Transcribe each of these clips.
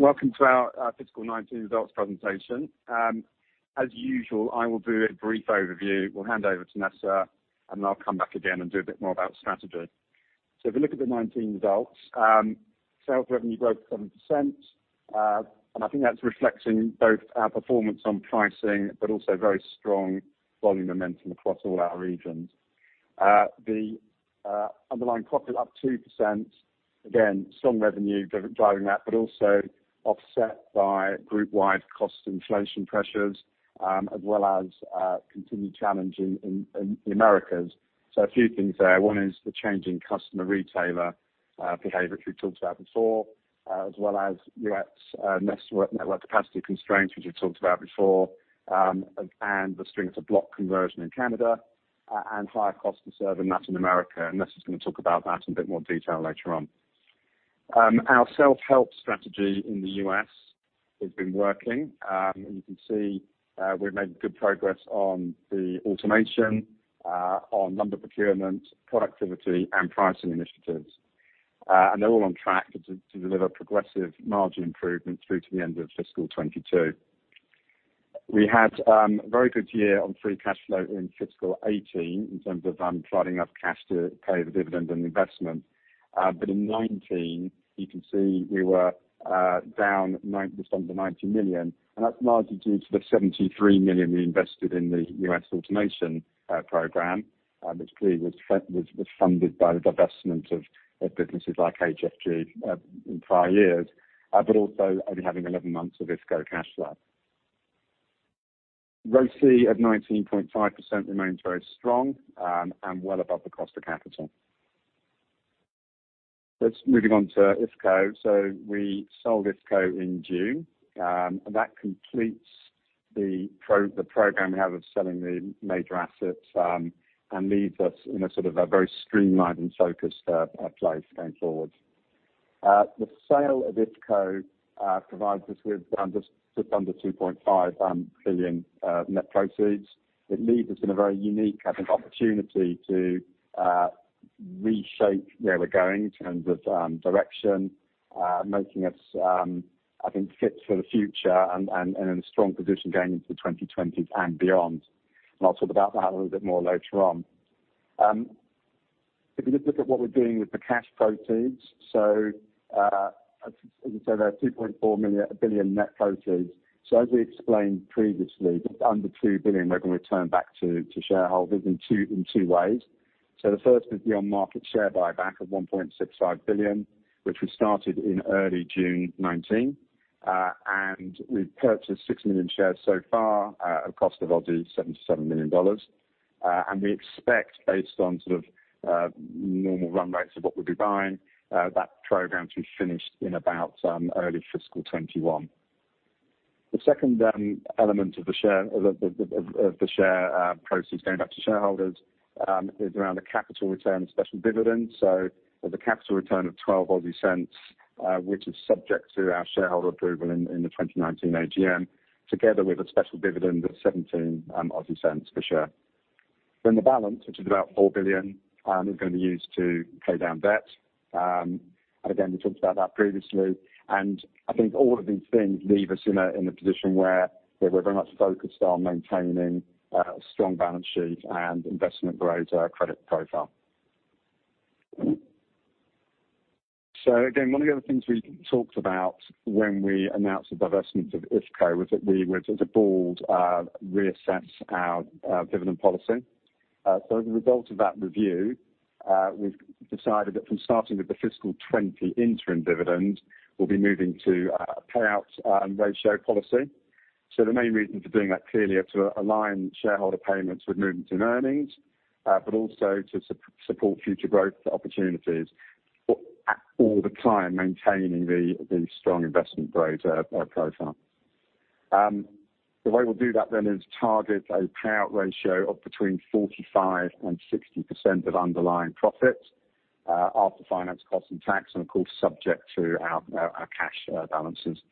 Welcome to our fiscal 2019 results presentation. As usual, I will do a brief overview. We will hand over to Nessa, then I will come back again and do a bit more about strategy. If we look at the 2019 results, sales revenue growth 7%, and I think that is reflecting both our performance on pricing, but also very strong volume momentum across all our regions. The underlying profit up 2%, again, strong revenue driving that, but also offset by group-wide cost inflation pressures, as well as continued challenge in the Americas. A few things there. One is the changing customer retailer behavior, which we talked about before, as well as U.S. network capacity constraints, which we have talked about before, and the stringer to block conversion in Canada, and higher cost to serve in Latin America. Nessa is going to talk about that in a bit more detail later on. Our self-help strategy in the U.S. has been working. You can see we've made good progress on the automation, on lumber procurement, productivity and pricing initiatives. They're all on track to deliver progressive margin improvement through to the end of fiscal 2022. We had a very good year on free cash flow in fiscal 2018 in terms of plowing up cash to pay the dividend and investment. In 2019, you can see we were down just under $90 million, and that's largely due to the $73 million we invested in the U.S. automation program, which clearly was funded by the divestment of businesses like HFG in prior years, but also only having 11 months of IFCO cash flow. ROCE of 19.5% remains very strong and well above the cost of capital. Let's moving on to IFCO. We sold IFCO in June. That completes the program we have of selling the major assets and leaves us in a sort of a very streamlined and focused place going forward. The sale of IFCO provides us with just under 2.5 billion net proceeds. It leaves us in a very unique, I think, opportunity to reshape where we're going in terms of direction, making us, I think, fit for the future and in a strong position going into the 2020s and beyond. I'll talk about that a little bit more later on. If you just look at what we're doing with the cash proceeds. As I said, there are 2.4 billion net proceeds. As we explained previously, under 2 billion we're going to return back to shareholders in two ways. The first is the on-market share buyback of 1.65 billion, which we started in early June 2019. We've purchased 6 million shares so far at a cost of 77 million dollars. We expect, based on sort of normal run rates of what we'll be buying, that program to be finished in about early fiscal 2021. The second element of the share proceeds going back to shareholders is around a capital return special dividend. There's a capital return of 0.12, which is subject to our shareholder approval in the 2019 AGM, together with a special dividend of 0.17 per share. The balance, which is about 2.4 billion, is going to be used to pay down debt. Again, we talked about that previously. I think all of these things leave us in a position where we're very much focused on maintaining a strong balance sheet and investment-grade credit profile. One of the other things we talked about when we announced the divestment of IFCO was that we would, as a board, reassess our dividend policy. As a result of that review, we've decided that from starting with the FY 2020 interim dividend, we'll be moving to a payout and ratio policy. The main reason for doing that clearly is to align shareholder payments with movements in earnings, but also to support future growth opportunities, all the time maintaining the strong investment-grade profile. The way we'll do that then is target a payout ratio of between 45%-60% of underlying profit after finance costs and tax, and of course, subject to our cash balances.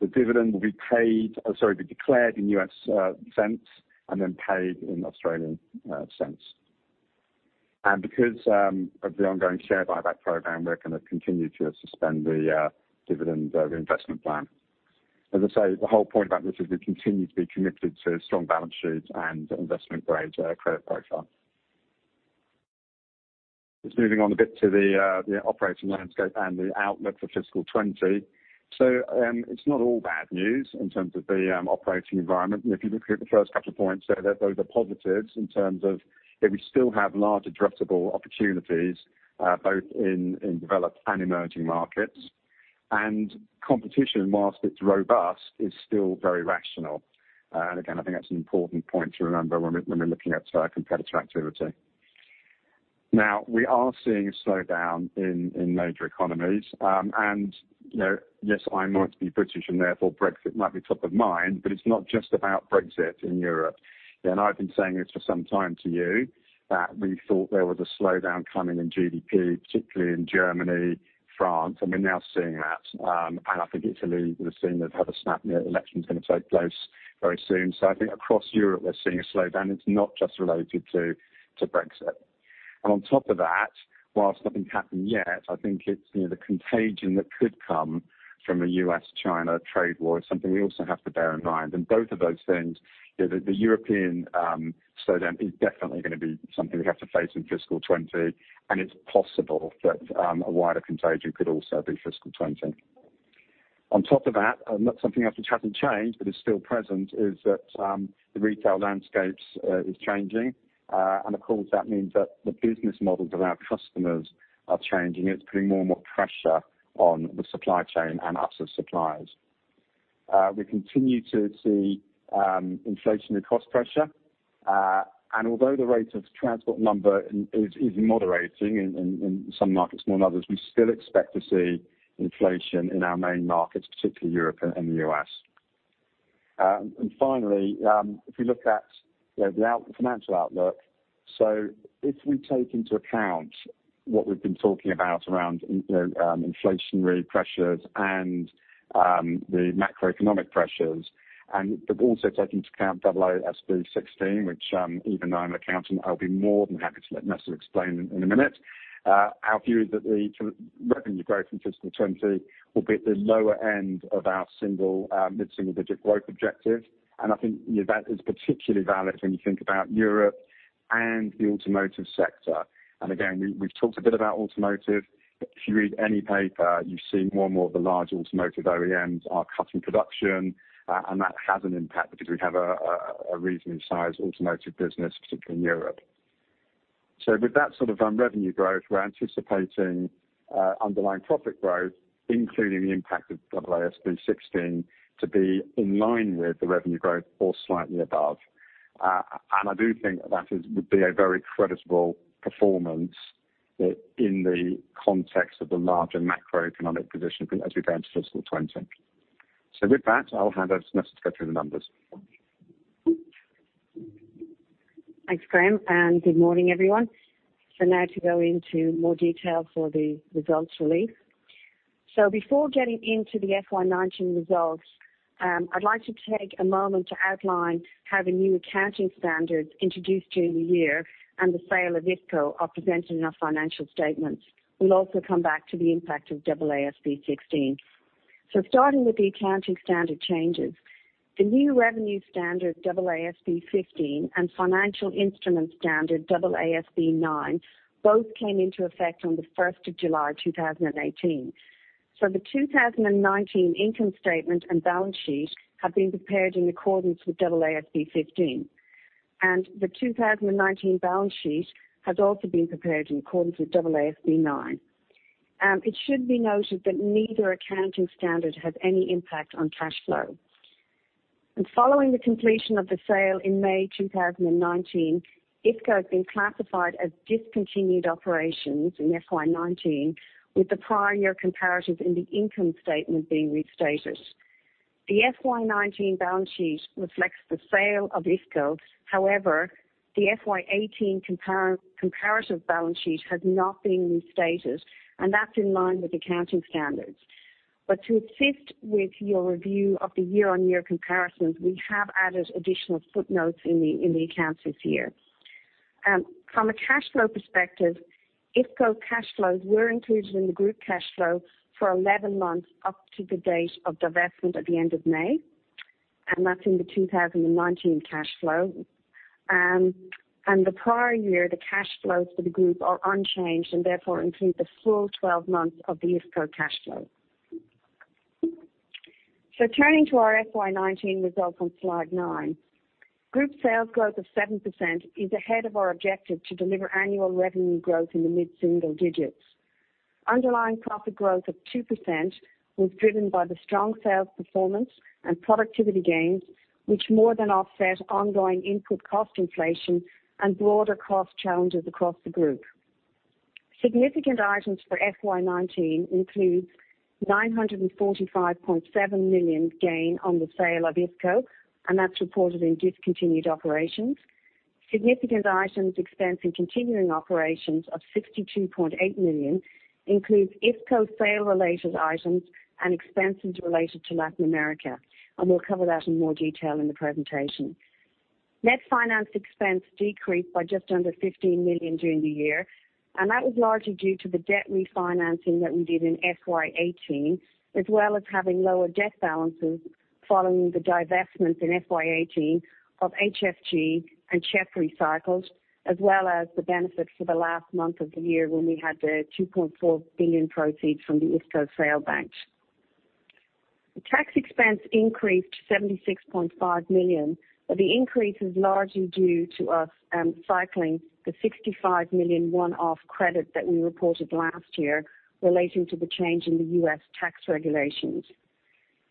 The dividend will be declared in USD cents and then paid in AUD cents. Because of the ongoing share buyback program, we're going to continue to suspend the dividend reinvestment plan. As I say, the whole point about this is we continue to be committed to a strong balance sheet and investment-grade credit profile. Just moving on a bit to the operating landscape and the outlook for fiscal 2020. It's not all bad news in terms of the operating environment. If you look at the first couple of points there, those are positives in terms of we still have large addressable opportunities both in developed and emerging markets. Competition, whilst it's robust, is still very rational. Again, I think that's an important point to remember when we're looking at competitor activity. Now, we are seeing a slowdown in major economies. Yes, I might be British and therefore Brexit might be top of mind, but it's not just about Brexit in Europe. I've been saying this for some time to you, that we thought there was a slowdown coming in GDP, particularly in Germany, France, and we're now seeing that. I think Italy, we're seeing they've had a snap election that's going to take place very soon. I think across Europe, we're seeing a slowdown. It's not just related to Brexit. On top of that, whilst nothing's happened yet, I think it's the contagion that could come from a U.S.-China trade war is something we also have to bear in mind. Both of those things, the European slowdown is definitely going to be something we have to face in fiscal 2020, and it's possible that a wider contagion could also be fiscal 2020. On top of that, not something else which hasn't changed, but is still present, is that the retail landscapes is changing. Of course, that means that the business models of our customers are changing, and it's putting more and more pressure on the supply chain and us as suppliers. We continue to see inflationary cost pressure. Although the rate of transport costs is moderating in some markets more than others, we still expect to see inflation in our main markets, particularly Europe and the U.S. Finally, if we look at the financial outlook, so if we take into account what we've been talking about around inflationary pressures and the macroeconomic pressures, but also take into account AASB 16, which even though I'm an accountant, I'll be more than happy to let Nessa explain in a minute. Our view is that the revenue growth in fiscal 2020 will be at the lower end of our mid-single-digit growth objective. I think that is particularly valid when you think about Europe and the automotive sector. Again, we've talked a bit about automotive. If you read any paper, you see more and more of the large automotive OEMs are cutting production, and that has an impact because we have a reasonably sized automotive business, particularly in Europe. With that sort of revenue growth, we're anticipating underlying profit growth, including the impact of AASB 16, to be in line with the revenue growth or slightly above. I do think that would be a very creditable performance in the context of the larger macroeconomic position as we go into fiscal 2020. With that, I'll hand over to Nessa to go through the numbers. Thanks, Graham, good morning, everyone. Now to go into more detail for the results release. Before getting into the FY 2019 results, I'd like to take a moment to outline how the new accounting standards introduced during the year and the sale of IFCO are presented in our financial statements. We'll also come back to the impact of AASB 16. Starting with the accounting standard changes, the new revenue standard, AASB 15, and financial instrument standard, AASB 9, both came into effect on the 1st of July 2018. The 2019 income statement and balance sheet have been prepared in accordance with AASB 15, and the 2019 balance sheet has also been prepared in accordance with AASB 9. It should be noted that neither accounting standard had any impact on cash flow. Following the completion of the sale in May 2019, IFCO has been classified as discontinued operations in FY 2019, with the prior year comparatives in the income statement being restated. The FY 2019 balance sheet reflects the sale of IFCO. The FY 2018 comparative balance sheet has not been restated, and that's in line with the accounting standards. To assist with your review of the year-on-year comparisons, we have added additional footnotes in the accounts this year. From a cash flow perspective, IFCO cash flows were included in the group cash flow for 11 months up to the date of divestment at the end of May, and that's in the 2019 cash flow. The prior year, the cash flows for the group are unchanged and therefore include the full 12 months of the IFCO cash flow. Turning to our FY 2019 results on slide nine. Group sales growth of 7% is ahead of our objective to deliver annual revenue growth in the mid-single digits. Underlying profit growth of 2% was driven by the strong sales performance and productivity gains, which more than offset ongoing input cost inflation and broader cost challenges across the group. Significant items for FY 2019 includes $945.7 million gain on the sale of IFCO. That's reported in discontinued operations. Significant items expense in continuing operations of 62.8 million includes IFCO sale-related items and expenses related to Latin America. We'll cover that in more detail in the presentation. Net finance expense decreased by just under $15 million during the year, that was largely due to the debt refinancing that we did in FY 2018, as well as having lower debt balances following the divestment in FY 2018 of HFG and CHEP Recycled, as well as the benefits for the last month of the year when we had the $2.4 billion proceeds from the IFCO sale banked. The tax expense increased to $76.5 million, the increase is largely due to us cycling the $65 million one-off credit that we reported last year relating to the change in the U.S. tax regulations.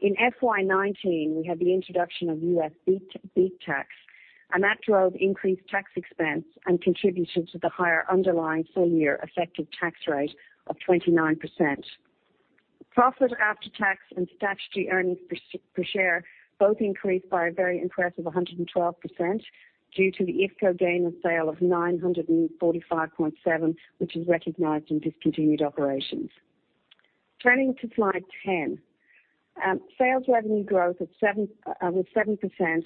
In FY 2019, we had the introduction of U.S. BEAT tax, that drove increased tax expense and contributed to the higher underlying full-year effective tax rate of 29%. Profit after tax and statutory earnings per share both increased by a very impressive 112% due to the IFCO gain on sale of $945.7 million, which is recognized in discontinued operations. Turning to slide 10. Sales revenue growth of 7%,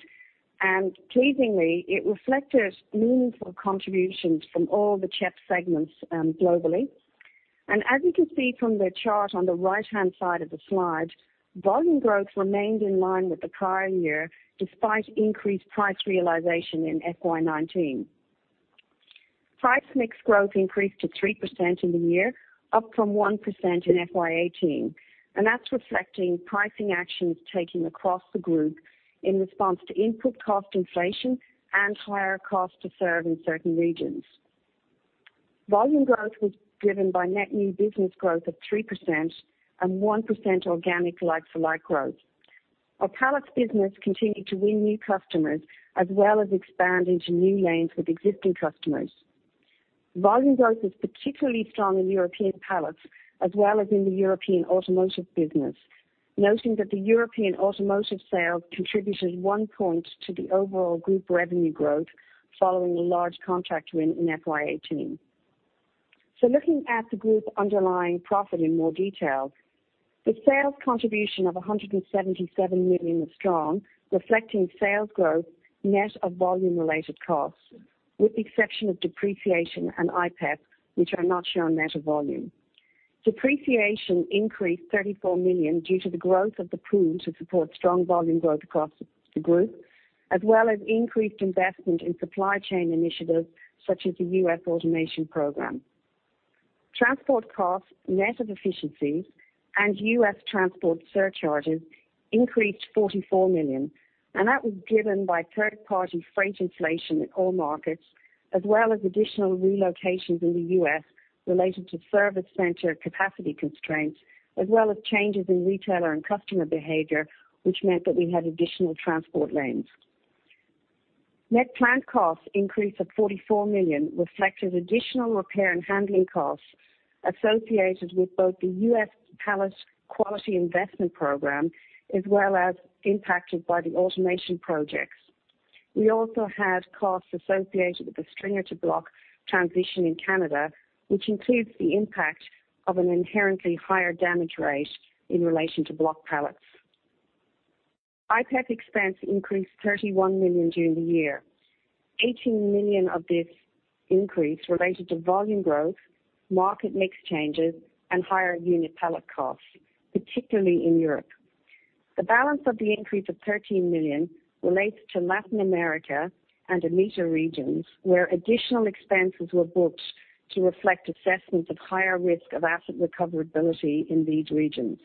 pleasingly, it reflected meaningful contributions from all the CHEP segments globally. As you can see from the chart on the right-hand side of the slide, volume growth remained in line with the prior year, despite increased price realization in FY 2019. Price mix growth increased to 3% in the year, up from 1% in FY 2018, and that's reflecting pricing actions taken across the group in response to input cost inflation and higher cost to serve in certain regions. Volume growth was driven by net new business growth of 3% and 1% organic like-for-like growth. Our pallets business continued to win new customers as well as expand into new lanes with existing customers. Volume growth was particularly strong in European pallets as well as in the European automotive business, noting that the European automotive sales contributed one point to the overall group revenue growth following a large contract win in FY 2018. Looking at the group underlying profit in more detail. The sales contribution of 177 million was strong, reflecting sales growth net of volume-related costs, with the exception of depreciation and IPEP, which are not shown net of volume. Depreciation increased 34 million due to the growth of the pool to support strong volume growth across the group, as well as increased investment in supply chain initiatives such as the U.S. automation program. Transport costs, net of efficiencies and U.S. transport surcharges, increased $44 million, and that was driven by third-party freight inflation in all markets, as well as additional relocations in the U.S. related to service center capacity constraints, as well as changes in retailer and customer behavior, which meant that we had additional transport lanes. Net plant costs increase of $44 million reflected additional repair and handling costs associated with both the U.S. pallet quality investment program as well as impacted by the automation projects. We also had costs associated with the stringer to block transition in Canada, which includes the impact of an inherently higher damage rate in relation to block pallets. IPEP expense increased $31 million during the year. $18 million of this increase related to volume growth, market mix changes, and higher unit pallet costs, particularly in Europe. The balance of the increase of 13 million relates to Latin America and EMEA regions, where additional expenses were booked to reflect assessments of higher risk of asset recoverability in these regions.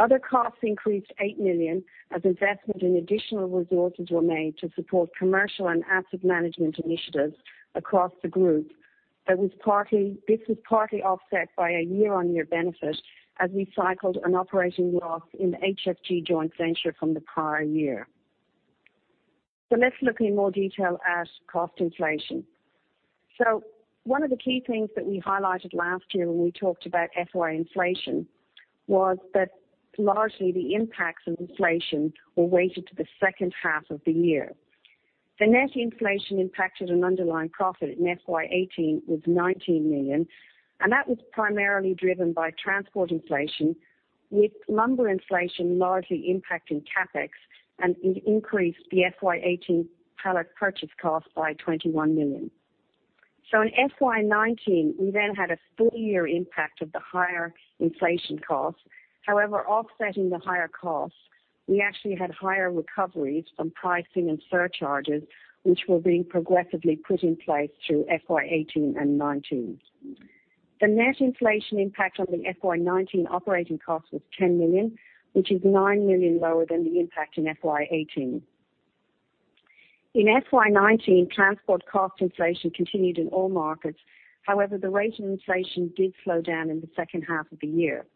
Other costs increased 8 million as investment and additional resources were made to support commercial and asset management initiatives across the group. This was partly offset by a year-on-year benefit as we cycled an operating loss in the HFG joint venture from the prior year. Let's look in more detail at cost inflation. One of the key things that we highlighted last year when we talked about FY inflation was that largely the impacts of inflation were weighted to the second half of the year. The net inflation impacted an underlying profit in FY 2018 was $19 million. That was primarily driven by transport inflation, with lumber inflation largely impacting CapEx and increased the FY 2018 pallet purchase cost by $21 million. In FY 2019, we had a full year impact of the higher inflation cost. Offsetting the higher cost, we actually had higher recoveries from pricing and surcharges, which were being progressively put in place through FY 2018 and FY 2019. The net inflation impact on the FY 2019 operating cost was $10 million, which is $9 million lower than the impact in FY 2018. In FY 2019, transport cost inflation continued in all markets. The rate of inflation did slow down in the second half of the year.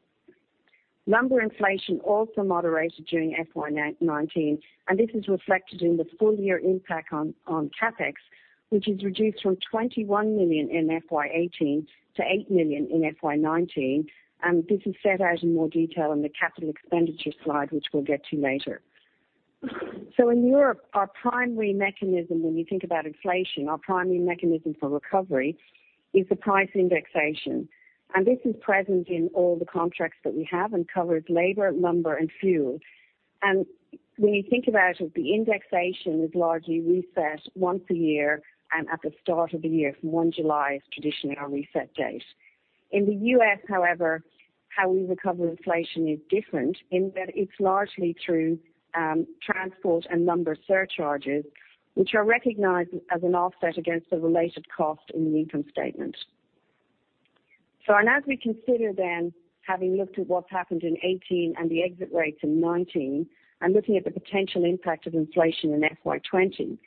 Lumber inflation also moderated during FY 2019, and this is reflected in the full-year impact on CapEx, which is reduced from $21 million in FY 2018 to $8 million in FY 2019, and this is set out in more detail in the capital expenditure slide, which we'll get to later. In Europe, our primary mechanism, when you think about inflation, our primary mechanism for recovery is the price indexation. This is present in all the contracts that we have and covers labor, lumber, and fuel. When you think about it, the indexation is largely reset once a year and at the start of the year. One July is traditionally our reset date. In the U.S., however, how we recover inflation is different in that it's largely through transport and lumber surcharges, which are recognized as an offset against the related cost in the income statement. As we consider then, having looked at what's happened in FY 2018 and the exit rates in FY 2019, and looking at the potential impact of inflation in FY 2020,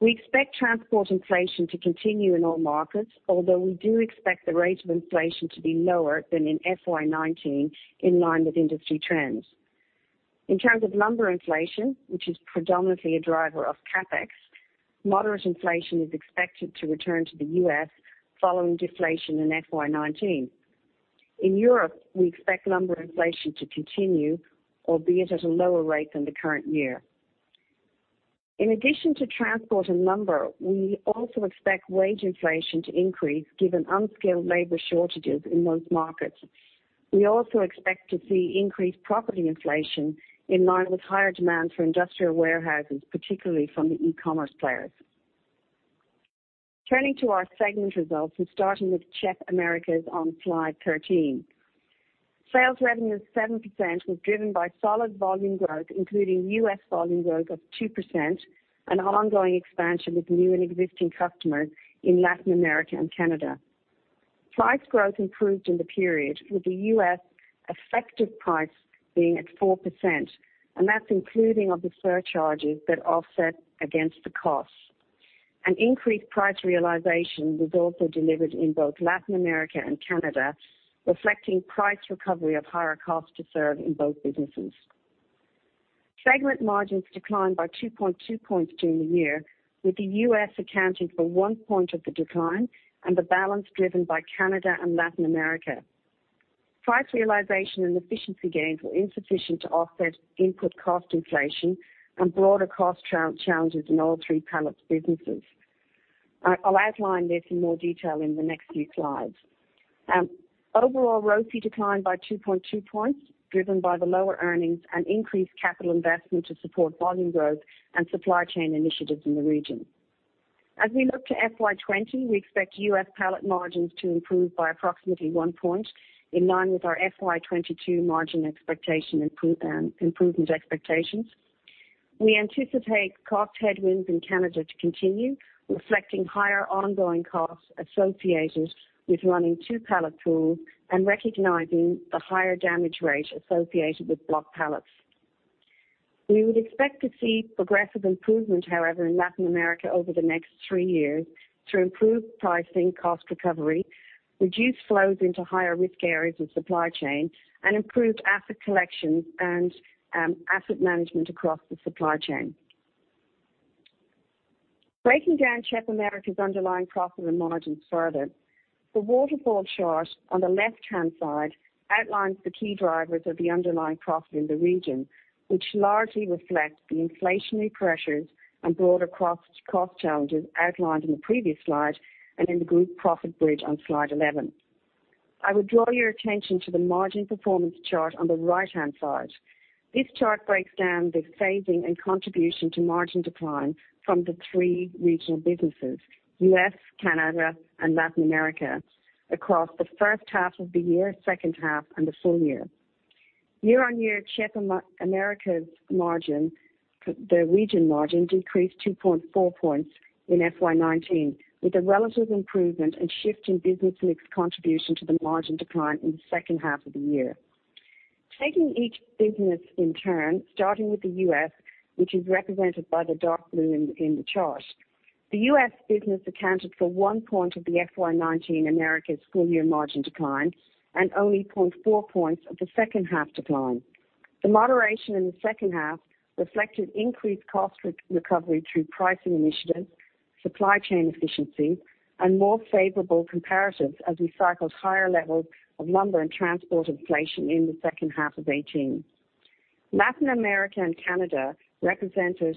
we expect transport inflation to continue in all markets, although we do expect the rate of inflation to be lower than in FY 2019 in line with industry trends. In terms of lumber inflation, which is predominantly a driver of CapEx, moderate inflation is expected to return to the U.S. following deflation in FY 2019. In Europe, we expect lumber inflation to continue, albeit at a lower rate than the current year. In addition to transport and lumber, we also expect wage inflation to increase given unskilled labor shortages in most markets. We also expect to see increased property inflation in line with higher demand for industrial warehouses, particularly from the e-commerce players. Turning to our segment results and starting with CHEP Americas on slide 13. Sales revenue of 7% was driven by solid volume growth, including U.S. volume growth of 2% and ongoing expansion with new and existing customers in Latin America and Canada. Price growth improved in the period, with the U.S. effective price being at 4%, and that's including of the surcharges that offset against the costs. An increased price realization was also delivered in both Latin America and Canada, reflecting price recovery of higher cost to serve in both businesses. Segment margins declined by 2.2 points during the year, with the U.S. accounting for one point of the decline and the balance driven by Canada and Latin America. Price realization and efficiency gains were insufficient to offset input cost inflation and broader cost challenges in all three pallets businesses. I'll outline this in more detail in the next few slides. Overall, ROCE declined by 2.2 points, driven by the lower earnings and increased capital investment to support volume growth and supply chain initiatives in the region. We look to FY 2020, we expect U.S. pallet margins to improve by approximately 1 point, in line with our FY 2022 margin improvement expectations. We anticipate cost headwinds in Canada to continue, reflecting higher ongoing costs associated with running 2 pallet pools and recognizing the higher damage rate associated with block pallets. We would expect to see progressive improvement, however, in Latin America over the next 3 years through improved pricing, cost recovery, reduced flows into higher risk areas of supply chain, and improved asset collection and asset management across the supply chain. Breaking down CHEP Americas' underlying profit and margins further, the waterfall chart on the left-hand side outlines the key drivers of the underlying profit in the region, which largely reflect the inflationary pressures and broader cost challenges outlined in the previous slide and in the group profit bridge on slide 11. I would draw your attention to the margin performance chart on the right-hand side. This chart breaks down the segment and contribution to margin decline from the three regional businesses, U.S., Canada, and Latin America, across the first half of the year, second half, and the full year. Year-on-year, CHEP Americas margin, the region margin, decreased 2.4 points in FY 2019, with a relative improvement and shift in business mix contribution to the margin decline in the second half of the year. Taking each business in turn, starting with the U.S., which is represented by the dark blue in the chart. The U.S. business accounted for one point of the FY 2019 Americas full-year margin decline and only 0.4 points of the second half decline. The moderation in the second half reflected increased cost recovery through pricing initiatives, supply chain efficiency, and more favorable comparatives as we cycled higher levels of lumber and transport inflation in the second half of 2018. Latin America and Canada, represented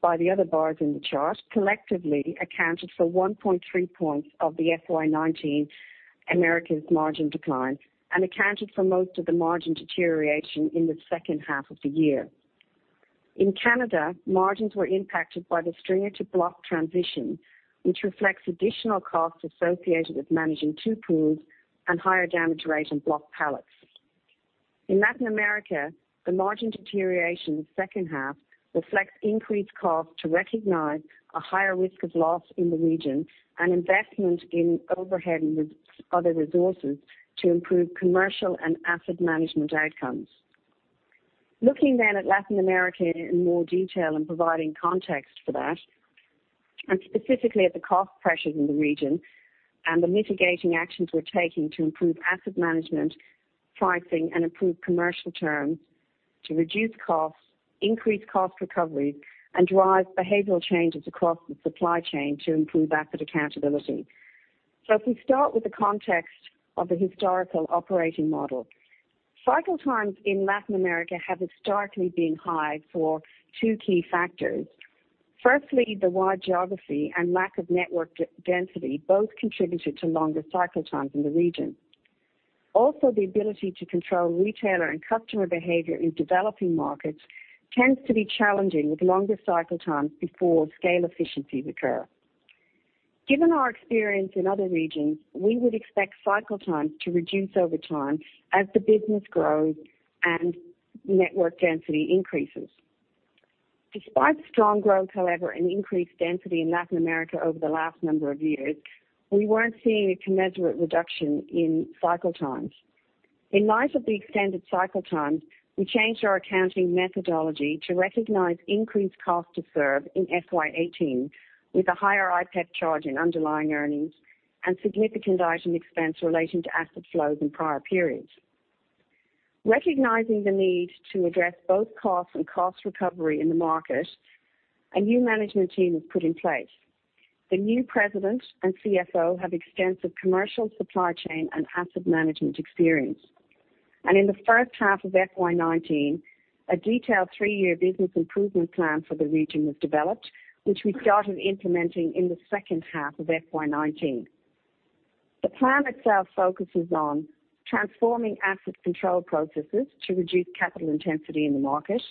by the other bars in the chart, collectively accounted for 1.3 points of the FY 2019 Americas margin decline and accounted for most of the margin deterioration in the second half of the year. In Canada, margins were impacted by the stringer to block transition, which reflects additional costs associated with managing two pools and higher damage rate on block pallets. In Latin America, the margin deterioration in the second half reflects increased cost to recognize a higher risk of loss in the region and investment in overhead and other resources to improve commercial and asset management outcomes. Looking at Latin America in more detail and providing context for that, and specifically at the cost pressures in the region and the mitigating actions we're taking to improve asset management, pricing, and improve commercial terms to reduce costs, increase cost recovery, and drive behavioral changes across the supply chain to improve asset accountability. If we start with the context of the historical operating model. Cycle times in Latin America have historically been high for two key factors. Firstly, the wide geography and lack of network density both contributed to longer cycle times in the region. The ability to control retailer and customer behavior in developing markets tends to be challenging with longer cycle times before scale efficiencies occur. Given our experience in other regions, we would expect cycle times to reduce over time as the business grows and network density increases. Despite strong growth, however, and increased density in Latin America over the last number of years, we weren't seeing a commensurate reduction in cycle times. In light of the extended cycle times, we changed our accounting methodology to recognize increased cost to serve in FY 2018 with a higher IPEP charge in underlying earnings and significant item expense relating to asset flows in prior periods. Recognizing the need to address both costs and cost recovery in the market, a new management team was put in place. The new president and CFO have extensive commercial supply chain and asset management experience. In the first half of FY 2019, a detailed three-year business improvement plan for the region was developed, which we started implementing in the second half of FY 2019. The plan itself focuses on transforming asset control processes to reduce capital intensity in the market,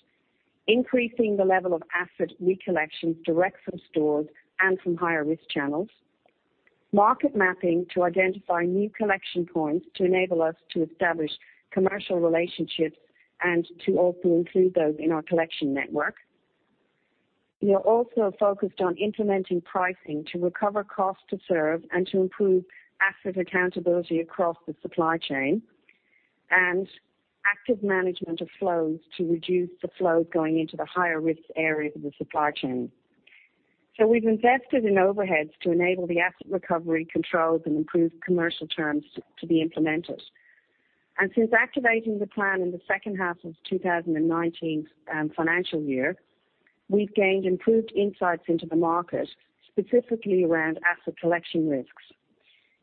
increasing the level of asset re-collections direct from stores and from higher risk channels, market mapping to identify new collection points to enable us to establish commercial relationships and to also include those in our collection network. We are also focused on implementing pricing to recover cost to serve and to improve asset accountability across the supply chain and active management of flows to reduce the flows going into the higher risk areas of the supply chain. We've invested in overheads to enable the asset recovery controls and improved commercial terms to be implemented. Since activating the plan in the second half of 2019 financial year, we've gained improved insights into the market, specifically around asset collection risks.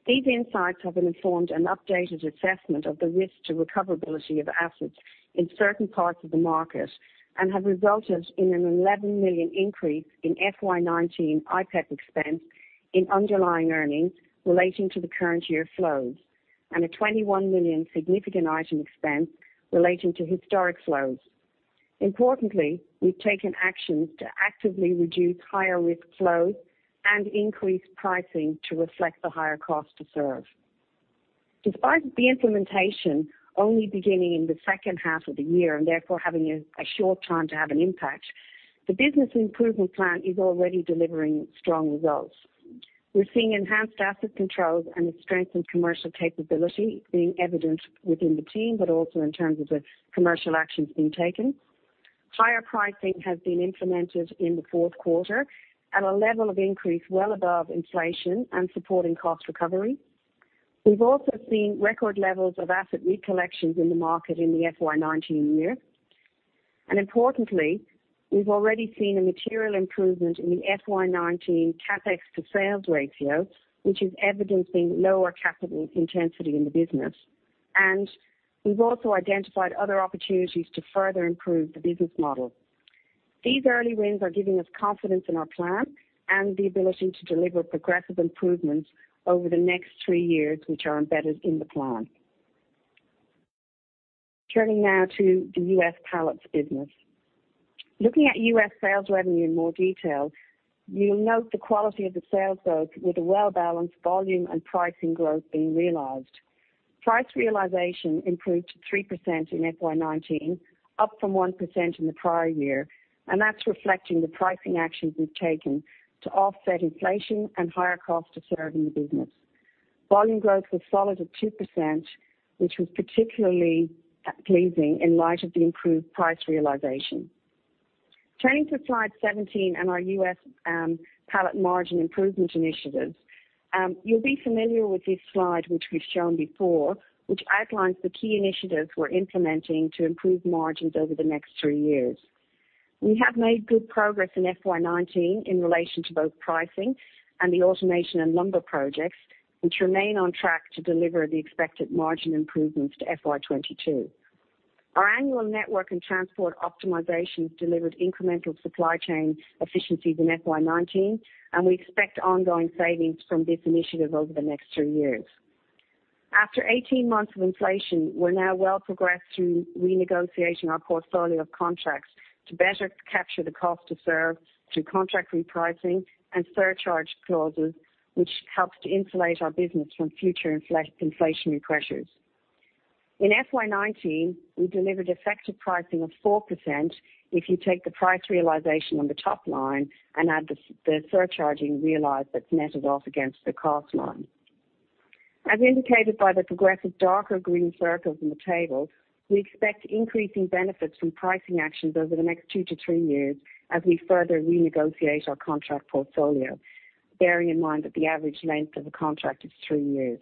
These insights have informed an updated assessment of the risk to recoverability of assets in certain parts of the market and have resulted in an 11 million increase in FY 2019 IPEP expense in underlying earnings relating to the current year flows, and an 21 million significant item expense relating to historic flows. Importantly, we've taken actions to actively reduce higher risk flows and increase pricing to reflect the higher cost to serve. Despite the implementation only beginning in the second half of the year and therefore having a short time to have an impact, the business improvement plan is already delivering strong results. We're seeing enhanced asset controls and a strengthened commercial capability being evident within the team, but also in terms of the commercial actions being taken. Higher pricing has been implemented in the fourth quarter at a level of increase well above inflation and supporting cost recovery. We've also seen record levels of asset re-collections in the market in the FY 2019 year. Importantly, we've already seen a material improvement in the FY 2019 CapEx to sales ratio, which is evidencing lower capital intensity in the business, and we've also identified other opportunities to further improve the business model. These early wins are giving us confidence in our plan and the ability to deliver progressive improvements over the next three years, which are embedded in the plan. Turning now to the U.S. Pallets business. Looking at U.S. sales revenue in more detail, you'll note the quality of the sales growth with a well-balanced volume and pricing growth being realized. Price realization improved to 3% in FY 2019, up from 1% in the prior year, and that's reflecting the pricing actions we've taken to offset inflation and higher cost to serve in the business. Volume growth was solid at 2%, which was particularly pleasing in light of the improved price realization. Turning to slide 17 and our U.S. Pallet margin improvement initiatives. You'll be familiar with this slide, which we've shown before, which outlines the key initiatives we're implementing to improve margins over the next three years. We have made good progress in FY 2019 in relation to both pricing and the automation and lumber projects, which remain on track to deliver the expected margin improvements to FY 2022. Our annual network and transport optimizations delivered incremental supply chain efficiencies in FY 2019, and we expect ongoing savings from this initiative over the next three years. After 18 months of inflation, we're now well progressed through renegotiating our portfolio of contracts to better capture the cost to serve through contract repricing and surcharge clauses, which helps to insulate our business from future inflationary pressures. In FY 2019, we delivered effective pricing of 4% if you take the price realization on the top line and add the surcharging realized that's netted off against the cost line. As indicated by the progressive darker green circles in the table, we expect increasing benefits from pricing actions over the next two to three years as we further renegotiate our contract portfolio, bearing in mind that the average length of a contract is three years.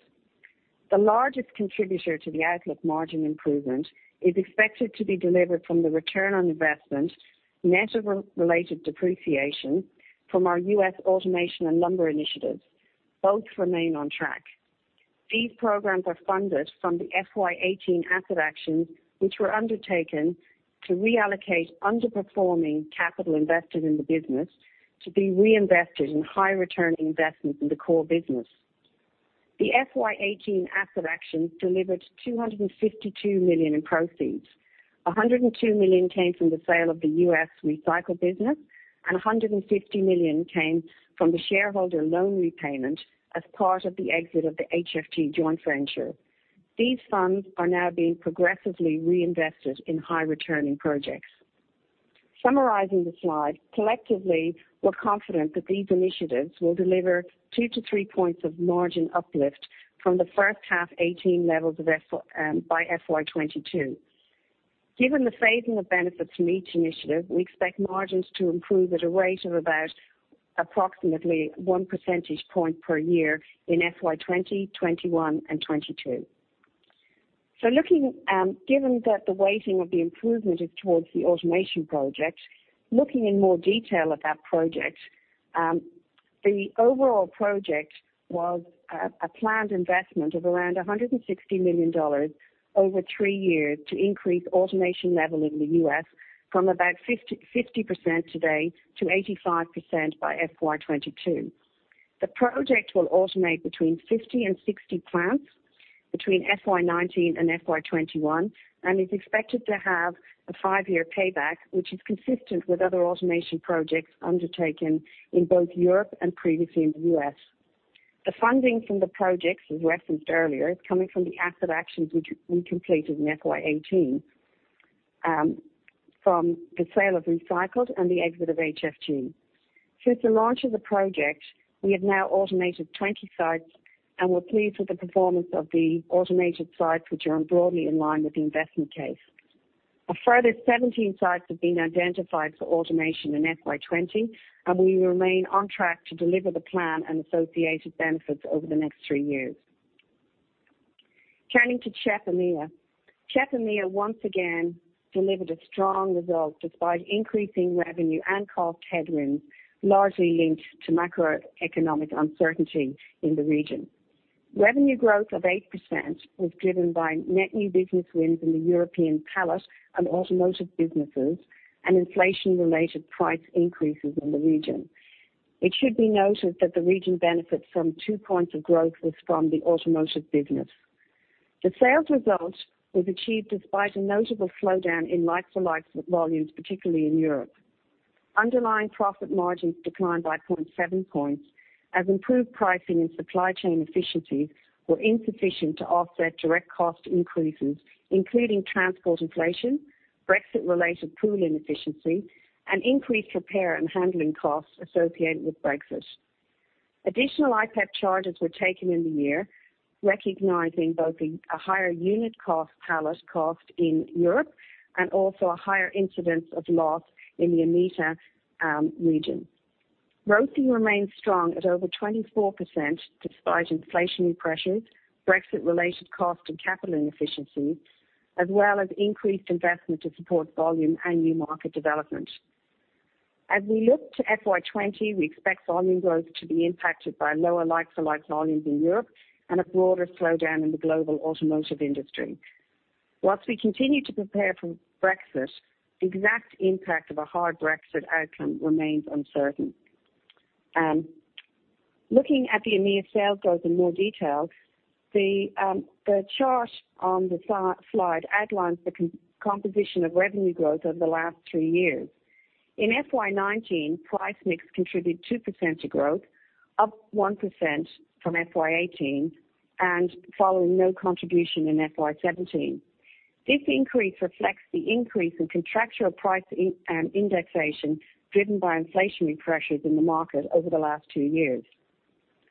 The largest contributor to the outlook margin improvement is expected to be delivered from the return on investment net of related depreciation from our U.S. automation and lumber initiatives. Both remain on track. These programs are funded from the FY 2018 asset actions which were undertaken to reallocate underperforming capital invested in the business to be reinvested in high returning investments in the core business. The FY 2018 asset actions delivered $252 million in proceeds. $102 million came from the sale of the U.S. Recycled business, $150 million came from the shareholder loan repayment as part of the exit of the HFG joint venture. These funds are now being progressively reinvested in high returning projects. Summarizing the slide, collectively, we're confident that these initiatives will deliver 2 to 3 points of margin uplift from the first half 2018 levels by FY 2022. Given the phasing of benefits from each initiative, we expect margins to improve at a rate of approximately one percentage point per year in FY 2020, FY 2021 and FY 2022. Given that the weighting of the improvement is towards the automation project, looking in more detail at that project. The overall project was a planned investment of around $160 million over three years to increase automation level in the U.S. from about 50% today to 85% by FY 2022. The project will automate between 50 and 60 plants between FY 2019 and FY 2021, and is expected to have a five-year payback, which is consistent with other automation projects undertaken in both Europe and previously in the U.S. The funding from the projects, as referenced earlier, is coming from the asset actions which we completed in FY 2018 from the sale of Recycled and the exit of HFG. Since the launch of the project, we have now automated 20 sites, and we're pleased with the performance of the automated sites, which are broadly in line with the investment case. A further 17 sites have been identified for automation in FY 2020, and we remain on track to deliver the plan and associated benefits over the next three years. Turning to CHEP EMEA. CHEP EMEA once again delivered a strong result despite increasing revenue and cost headwinds, largely linked to macroeconomic uncertainty in the region. Revenue growth of 8% was driven by net new business wins in the European pallet and automotive businesses and inflation-related price increases in the region. It should be noted that the region benefits from two points of growth was from the automotive business. The sales result was achieved despite a notable slowdown in like-for-like volumes, particularly in Europe. Underlying profit margins declined by 0.7 points as improved pricing and supply chain efficiencies were insufficient to offset direct cost increases, including transport inflation, Brexit-related pool inefficiency, and increased repair and handling costs associated with Brexit. Additional IPEP charges were taken in the year, recognizing both a higher unit cost pallet cost in Europe and also a higher incidence of loss in the EMEA region. ROCE remains strong at over 24%, despite inflationary pressures, Brexit-related cost and capital inefficiencies, as well as increased investment to support volume and new market development. As we look to FY 2020, we expect volume growth to be impacted by lower like-for-like volumes in Europe and a broader slowdown in the global automotive industry. Whilst we continue to prepare for Brexit, the exact impact of a hard Brexit outcome remains uncertain. Looking at the EMEA sales growth in more detail, the chart on the slide outlines the composition of revenue growth over the last three years. In FY 2019, price mix contributed 2% to growth, up 1% from FY 2018, and following no contribution in FY 2017. This increase reflects the increase in contractual price and indexation driven by inflationary pressures in the market over the last two years.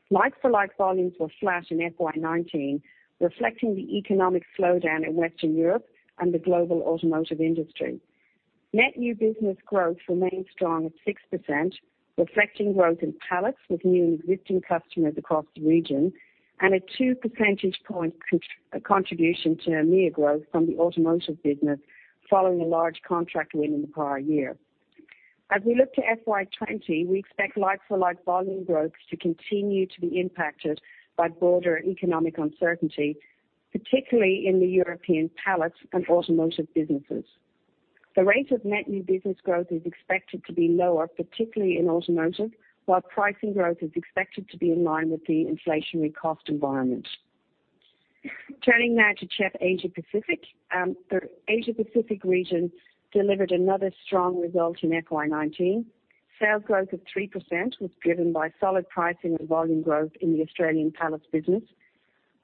Like-for-like volumes were flat in FY 2019, reflecting the economic slowdown in Western Europe and the global automotive industry. Net new business growth remained strong at 6%, reflecting growth in pallets with new and existing customers across the region, and a two percentage point contribution to EMEA growth from the automotive business following a large contract win in the prior year. As we look to FY 2020, we expect like-for-like volume growth to continue to be impacted by broader economic uncertainty, particularly in the European pallets and automotive businesses. The rate of net new business growth is expected to be lower, particularly in automotive, while pricing growth is expected to be in line with the inflationary cost environment. Turning now to CHEP Asia-Pacific. The Asia-Pacific region delivered another strong result in FY 2019. Sales growth of 3% was driven by solid pricing and volume growth in the Australian pallets business.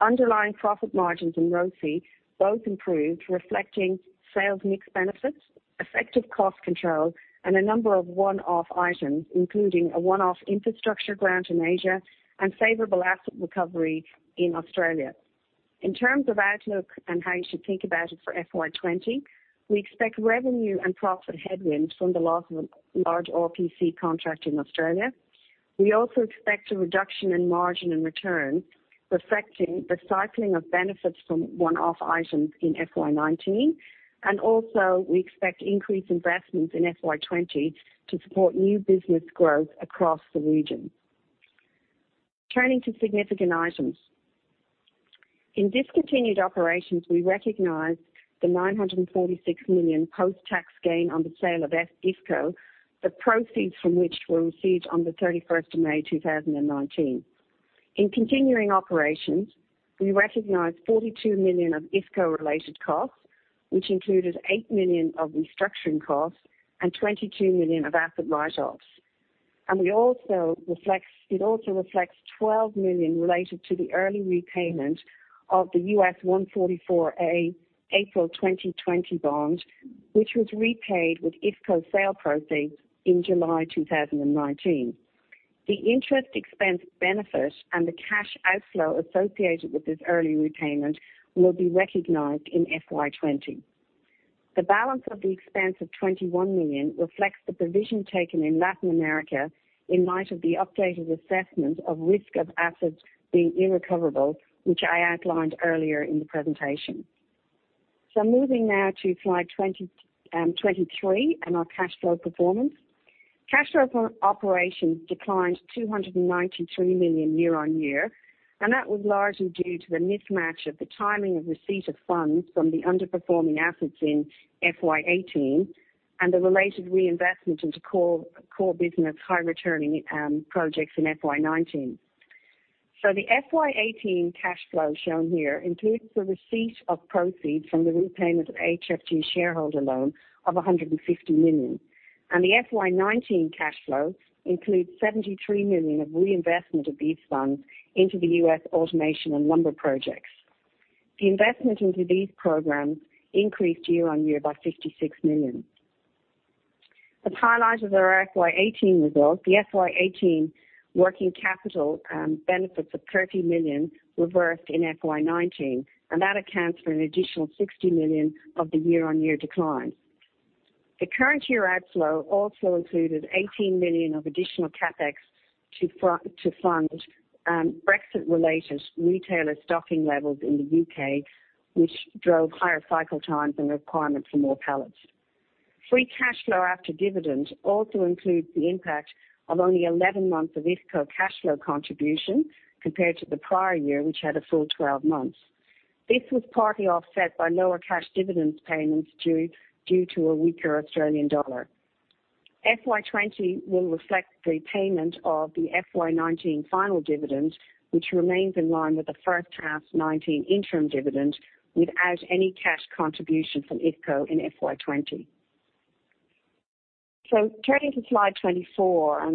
Underlying profit margins and ROCE both improved, reflecting sales mix benefits, effective cost control, and a number of one-off items, including a one-off infrastructure grant in Asia and favorable asset recovery in Australia. In terms of outlook and how you should think about it for FY 2020, we expect revenue and profit headwinds from the loss of a large RPC contract in Australia. We also expect a reduction in margin and return, reflecting the cycling of benefits from one-off items in FY 2019, and also we expect increased investments in FY 2020 to support new business growth across the region. Turning to significant items. In discontinued operations, we recognized the $946 million post-tax gain on the sale of IFCO, the proceeds from which were received on the 31st of May 2019. In continuing operations, we recognized $42 million of IFCO-related costs, which included $8 million of restructuring costs and $22 million of asset write-offs. It also reflects $12 million related to the early repayment of the U.S. 144A April 2020 bond, which was repaid with IFCO sale proceeds in July 2019. The interest expense benefit and the cash outflow associated with this early repayment will be recognized in FY 2020. The balance of the expense of 21 million reflects the provision taken in Latin America in light of the updated assessment of risk of assets being irrecoverable, which I outlined earlier in the presentation. Moving now to slide 23 and our cash flow performance. Cash flow from operations declined to 293 million year-on-year, and that was largely due to the mismatch of the timing of receipt of funds from the underperforming assets in FY 2018 and the related reinvestment into core business high returning projects in FY 2019. The FY 2018 cash flow shown here includes the receipt of proceeds from the repayment of HFG shareholder loan of 150 million, and the FY 2019 cash flow includes 73 million of reinvestment of these funds into the U.S. automation and lumber projects. The investment into these programs increased year on year by 56 million. As highlighted in our FY 2018 results, the FY 2018 working capital benefits of 30 million reversed in FY 2019, that accounts for an additional 60 million of the year-on-year decline. The current year outflow also included 18 million of additional CapEx to fund Brexit related retailer stocking levels in the U.K., which drove higher cycle times and requirement for more pallets. Free cash flow after dividends also includes the impact of only 11 months of IFCO cash flow contribution compared to the prior year, which had a full 12 months. This was partly offset by lower cash dividend payments due to a weaker Australian dollar. FY 2020 will reflect the payment of the FY 2019 final dividend, which remains in line with the first half 2019 interim dividend, without any cash contribution from IFCO in FY 2020. Turning to slide 24,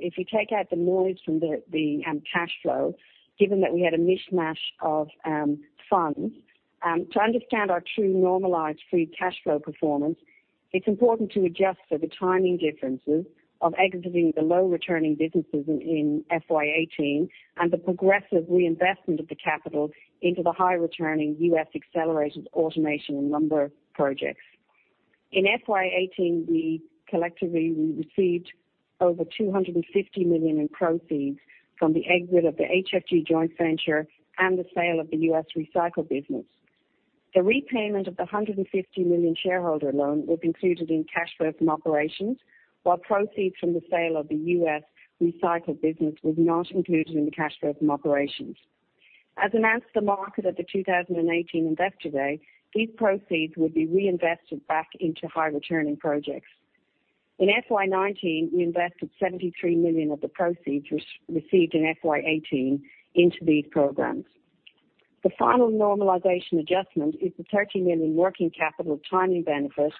if you take out the noise from the cash flow, given that we had a mishmash of funds to understand our true normalized free cash flow performance, it's important to adjust for the timing differences of exiting the low returning businesses in FY 2018 and the progressive reinvestment of the capital into the high returning U.S. accelerated automation and lumber projects. In FY 2018, we collectively received over $250 million in proceeds from the exit of the HFG joint venture and the sale of the CHEP Recycled business. The repayment of the $150 million shareholder loan was included in cash flow from operations, while proceeds from the sale of the CHEP Recycled business was not included in the cash flow from operations. As announced to the market at the 2018 Investor Day, these proceeds would be reinvested back into high returning projects. In FY 2019, we invested 73 million of the proceeds received in FY 2018 into these programs. The final normalization adjustment is the 30 million working capital timing benefit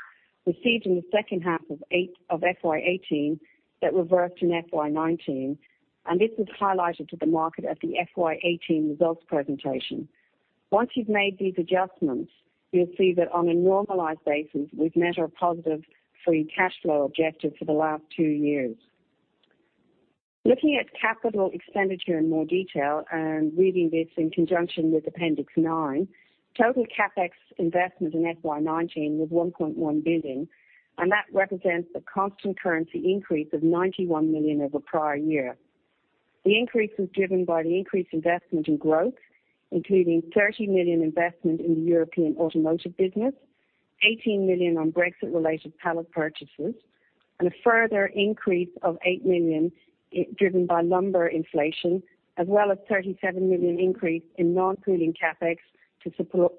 received in the second half of FY 2018 that reversed in FY 2019. This was highlighted to the market at the FY 2018 results presentation. Once you've made these adjustments, you'll see that on a normalized basis, we've met our positive free cash flow objective for the last two years. Looking at capital expenditure in more detail and reading this in conjunction with appendix nine, total CapEx investment in FY 2019 was 1.1 billion. That represents a constant currency increase of 91 million over prior year. The increase was driven by the increased investment in growth, including $30 million investment in the European automotive business, $18 million on Brexit-related pallet purchases, and a further increase of $8 million driven by lumber inflation, as well as $37 million increase in non-pooling CapEx to support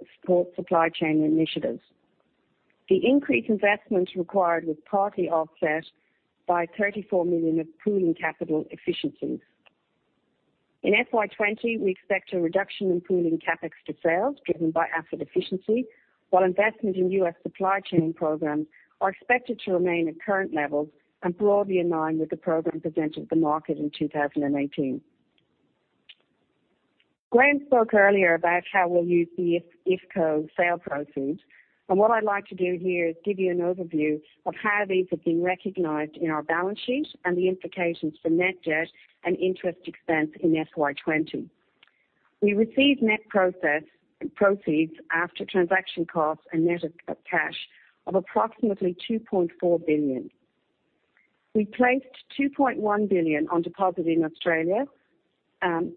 supply chain initiatives. The increased investment required was partly offset by $34 million of pooling capital efficiencies. In FY 2020, we expect a reduction in pooling CapEx to sales driven by asset efficiency, while investment in U.S. supply chain programs are expected to remain at current levels and broadly in line with the program presented to the market in 2018. Graham spoke earlier about how we'll use the IFCO sale proceeds, and what I'd like to do here is give you an overview of how these are being recognized in our balance sheet and the implications for net debt and interest expense in FY 2020. We received net proceeds after transaction costs and net cash of approximately $2.4 billion. We placed $2.1 billion on deposit in Australia, and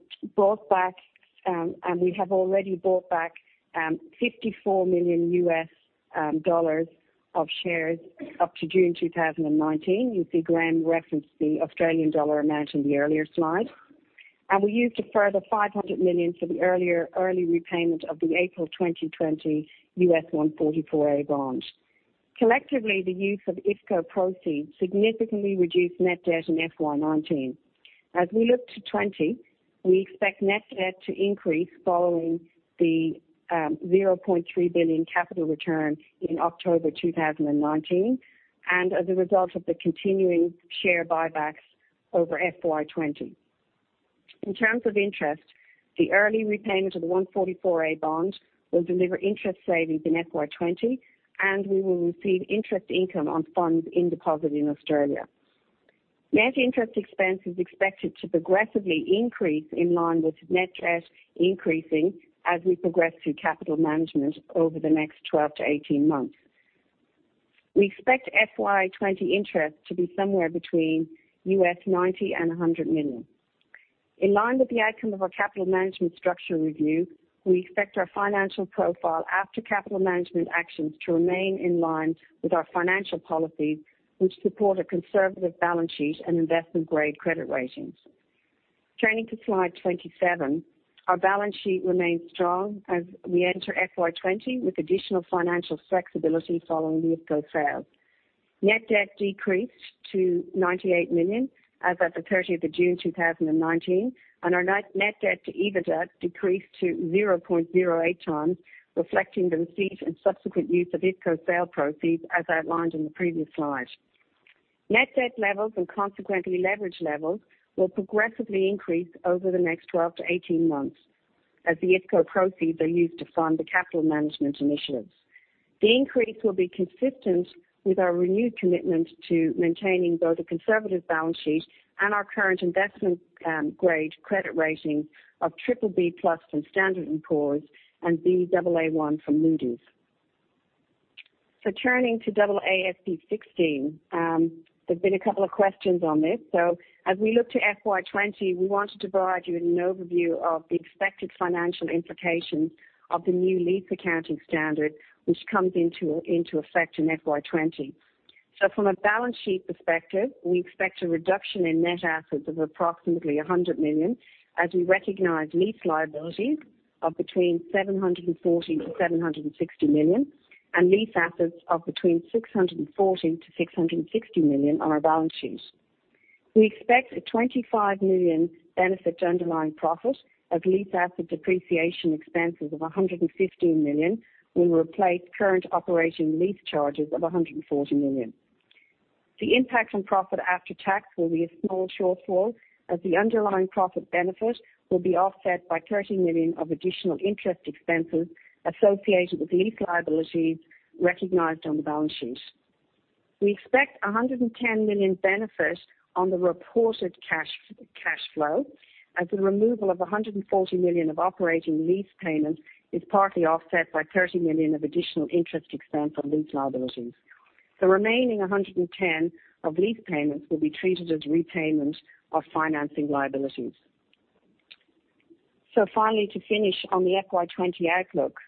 we have already bought back $54 million of shares up to June 2019. You'll see Graham referenced the Australian dollar amount in the earlier slide. We used a further $500 million for the early repayment of the April 2020 US 144A bond. Collectively, the use of IFCO proceeds significantly reduced net debt in FY 2019. As we look to 2020, we expect net debt to increase following the 0.3 billion capital return in October 2019 and as a result of the continuing share buybacks over FY 2020. In terms of interest, the early repayment of the 144A bond will deliver interest savings in FY 2020, and we will receive interest income on funds in deposit in Australia. Net interest expense is expected to progressively increase in line with net debt increasing as we progress through capital management over the next 12 to 18 months. We expect FY 2020 interest to be somewhere between $90 million and $100 million. In line with the outcome of our capital management structure review, we expect our financial profile after capital management actions to remain in line with our financial policies, which support a conservative balance sheet and investment-grade credit ratings. Turning to slide 27. Our balance sheet remains strong as we enter FY 2020, with additional financial flexibility following the IFCO sale. Net debt decreased to 98 million as of the 30th of June 2019, and our net debt to EBITDA decreased to 0.08 times, reflecting the receipt and subsequent use of IFCO sale proceeds, as outlined in the previous slide. Net debt levels and consequently leverage levels will progressively increase over the next 12-18 months as the IFCO proceeds are used to fund the capital management initiatives. The increase will be consistent with our renewed commitment to maintaining both a conservative balance sheet and our current investment-grade credit rating of BBB+ from Standard & Poor's and Baa1 from Moody's. Turning to AASB 16. There's been a couple of questions on this. As we look to FY 2020, we wanted to provide you with an overview of the expected financial implications of the new lease accounting standard, which comes into effect in FY 2020. From a balance sheet perspective, we expect a reduction in net assets of approximately $100 million as we recognize lease liabilities of between $740 million and $760 million and lease assets of between $640 million and $660 million on our balance sheet. We expect a $25 million benefit to underlying profit as lease asset depreciation expenses of $115 million will replace current operating lease charges of $140 million. The impact on profit after tax will be a small shortfall, as the underlying profit benefit will be offset by $30 million of additional interest expenses associated with lease liabilities recognized on the balance sheet. We expect $110 million benefit on the reported cash flow, as the removal of $140 million of operating lease payments is partly offset by $30 million of additional interest expense on lease liabilities. The remaining $110 of lease payments will be treated as repayment of financing liabilities. Finally, to finish on the FY 2020 outlook.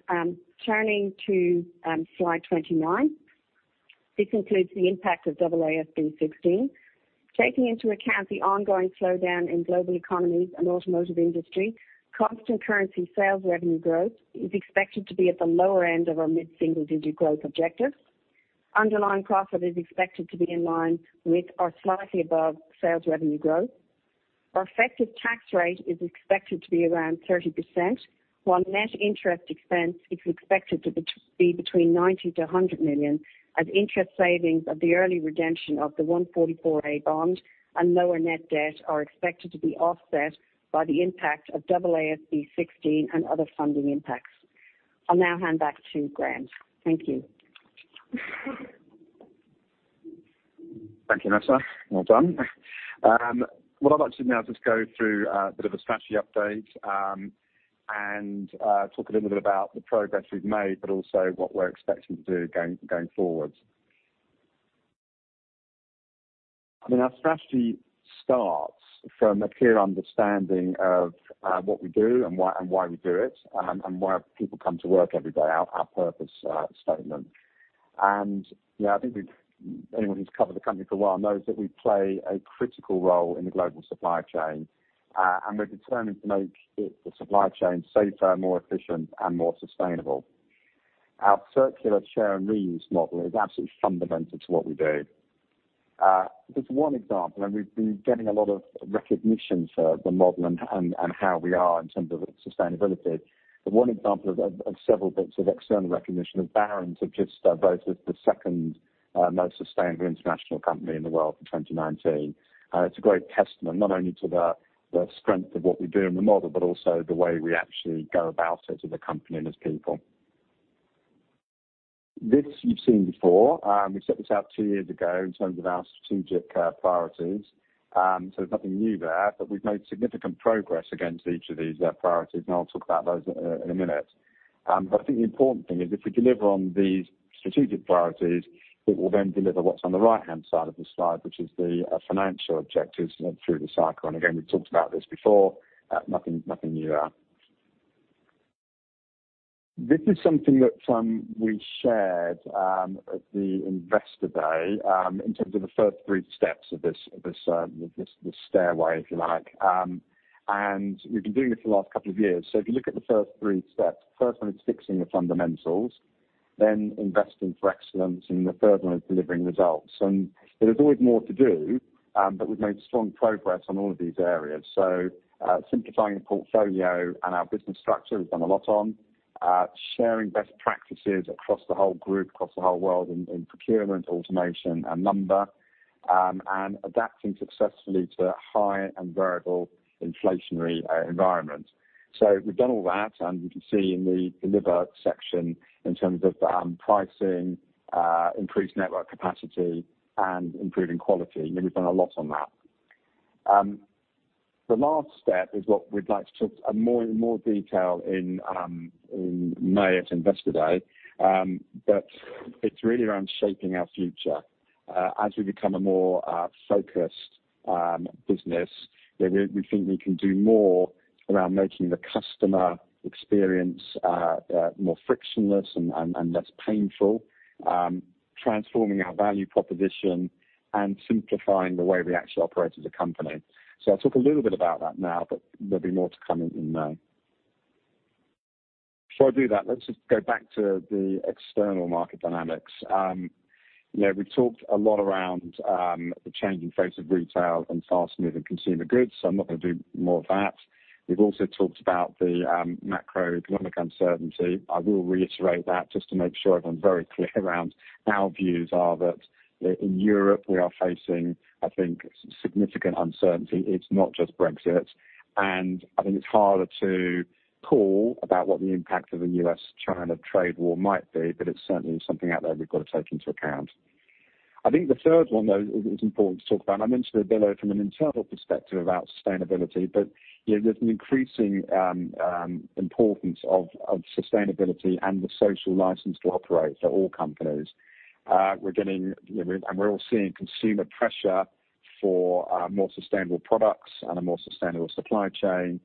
Turning to slide 29. This includes the impact of AASB 16. Taking into account the ongoing slowdown in global economies and automotive industry, constant currency sales revenue growth is expected to be at the lower end of our mid-single digit growth objectives. Underlying profit is expected to be in line with or slightly above sales revenue growth. Our effective tax rate is expected to be around 30%, while net interest expense is expected to be between $90 million-$100 million, as interest savings of the early redemption of the 144A bond and lower net debt are expected to be offset by the impact of AASB 16 and other funding impacts. I'll now hand back to Graham. Thank you. Thank you, Nessa. Well done. What I'd like to now just go through a bit of a strategy update, and talk a little bit about the progress we've made, but also what we're expecting to do going forward. Our strategy starts from a clear understanding of what we do and why we do it and why people come to work every day. Our purpose statement. I think anyone who's covered the company for a while knows that we play a critical role in the global supply chain, and we're determined to make the supply chain safer, more efficient and more sustainable. Our circular share and reuse model is absolutely fundamental to what we do. Just one example, we've been getting a lot of recognition for the model and how we are in terms of its sustainability. The one example of several bits of external recognition is Barron's have just voted the second most sustainable international company in the world for 2019. It's a great testament not only to the strength of what we do in the model, but also the way we actually go about it as a company and as people. This you've seen before. We set this out two years ago in terms of our strategic priorities. There's nothing new there, but we've made significant progress against each of these priorities, and I'll talk about those in a minute. I think the important thing is if we deliver on these strategic priorities, it will then deliver what's on the right-hand side of the slide, which is the financial objectives through the cycle. Again, we've talked about this before. Nothing new there. This is something that we shared at the Investor Day in terms of the first 3 steps of this stairway, if you like. We've been doing this for the last couple of years. If you look at the first 3 steps, first one is fixing the fundamentals, then investing for excellence, and the third one is delivering results. There is always more to do, but we've made strong progress on all of these areas. Simplifying the portfolio and our business structure, we've done a lot on. Sharing best practices across the whole group, across the whole world in procurement, automation, and lumber, adapting successfully to high and variable inflationary environment. We've done all that, and you can see in the deliver section in terms of pricing, improved network capacity and improving quality. We've done a lot on that. The last step is what we'd like to talk in more detail in May at Investor Day. It's really around shaping our future. As we become a more focused business, we think we can do more around making the customer experience more frictionless and less painful, transforming our value proposition, and simplifying the way we actually operate as a company. I'll talk a little bit about that now, but there'll be more to come in May. Before I do that, let's just go back to the external market dynamics. We talked a lot around the changing face of retail and fast-moving consumer goods, so I'm not going to do more of that. We've also talked about the macroeconomic uncertainty. I will reiterate that just to make sure everyone's very clear around our views are that in Europe, we are facing, I think, significant uncertainty. It's not just Brexit, and I think it's harder to call about what the impact of a U.S.-China trade war might be, but it's certainly something out there we've got to take into account. I think the third one, though, is important to talk about. I mentioned a bit of it from an internal perspective about sustainability, but there's an increasing importance of sustainability and the social license to operate for all companies. We're all seeing consumer pressure for more sustainable products and a more sustainable supply chain.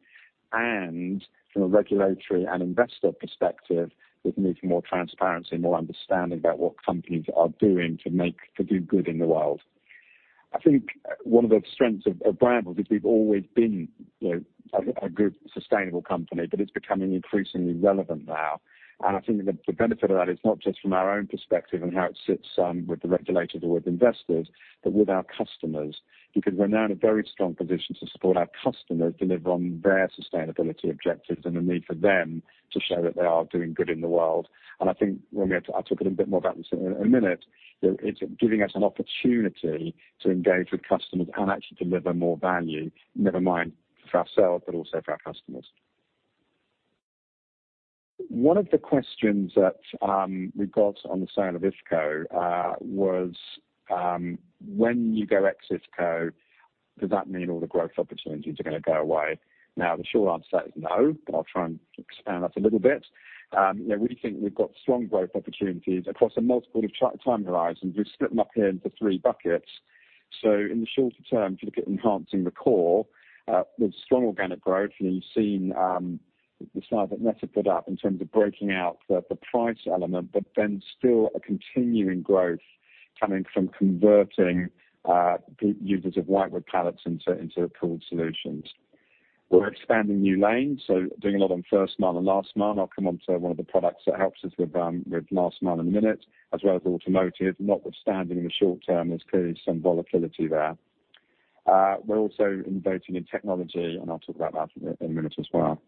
From a regulatory and investor perspective, there's a need for more transparency, more understanding about what companies are doing to do good in the world. I think one of the strengths of Brambles is we've always been a good, sustainable company, but it's becoming increasingly relevant now. I think the benefit of that is not just from our own perspective and how it sits with the regulators or with investors, but with our customers, because we're now in a very strong position to support our customers deliver on their sustainability objectives and the need for them to show that they are doing good in the world. I think, I'll talk a bit more about this in a minute, it's giving us an opportunity to engage with customers and actually deliver more value, never mind for ourselves, but also for our customers. One of the questions that we got on the sale of IFCO was, when you go exit IFCO, does that mean all the growth opportunities are going to go away? The short answer is no. I'll try and expand that a little bit. We think we've got strong growth opportunities across a multiple of time horizons. We've split them up here into three buckets. In the shorter term, if you look at enhancing the core with strong organic growth, you've seen the slide that Nessa had put up in terms of breaking out the price element, still a continuing growth coming from converting users of whitewood pallets into pooled solutions. We're expanding new lanes, doing a lot on first mile and last mile. I'll come on to one of the products that helps us with last mile in a minute, as well as automotive, notwithstanding in the short term, there's clearly some volatility there. We're also investing in technology. I'll talk about that in a minute as well.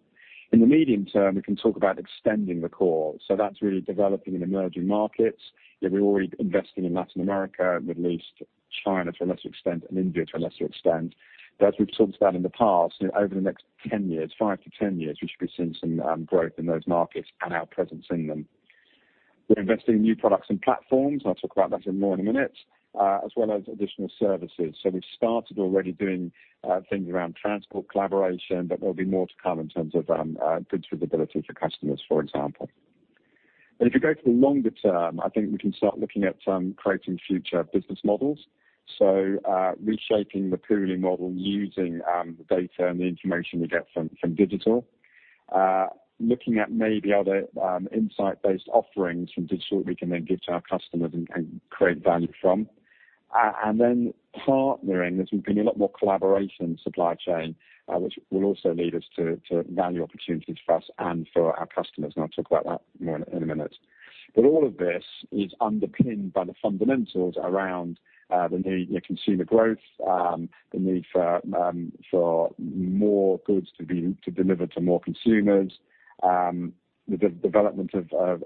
In the medium term, we can talk about extending the core. That's really developing in emerging markets. We're already investing in Latin America, Middle East, China to a lesser extent, and India to a lesser extent. As we've talked about in the past, over the next 10 years, five to 10 years, we should be seeing some growth in those markets and our presence in them. We're investing in new products and platforms, and I'll talk about that more in a minute, as well as additional services. We've started already doing things around transport collaboration, but there'll be more to come in terms of goods availability for customers, for example. If you go to the longer term, I think we can start looking at creating future business models. Reshaping the pooling model using the data and the information we get from digital. Looking at maybe other insight-based offerings from digital we can then give to our customers and create value from. Partnering. There's going to be a lot more collaboration supply chain, which will also lead us to value opportunities for us and for our customers, and I'll talk about that more in a minute. All of this is underpinned by the fundamentals around the need for consumer growth, the need for more goods to deliver to more consumers, the development of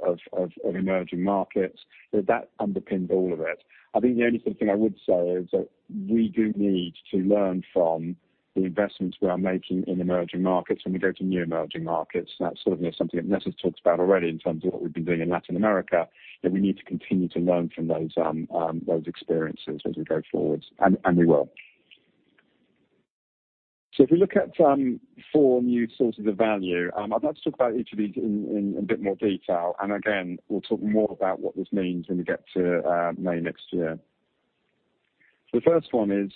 emerging markets. That underpins all of it. I think the only sort of thing I would say is that we do need to learn from the investments we are making in emerging markets when we go to new emerging markets. That's something that Nessa has talked about already in terms of what we've been doing in Latin America, that we need to continue to learn from those experiences as we go forwards, and we will. If we look at four new sources of value, I'd like to talk about each of these in a bit more detail. Again, we'll talk more about what this means when we get to May next year. The first one is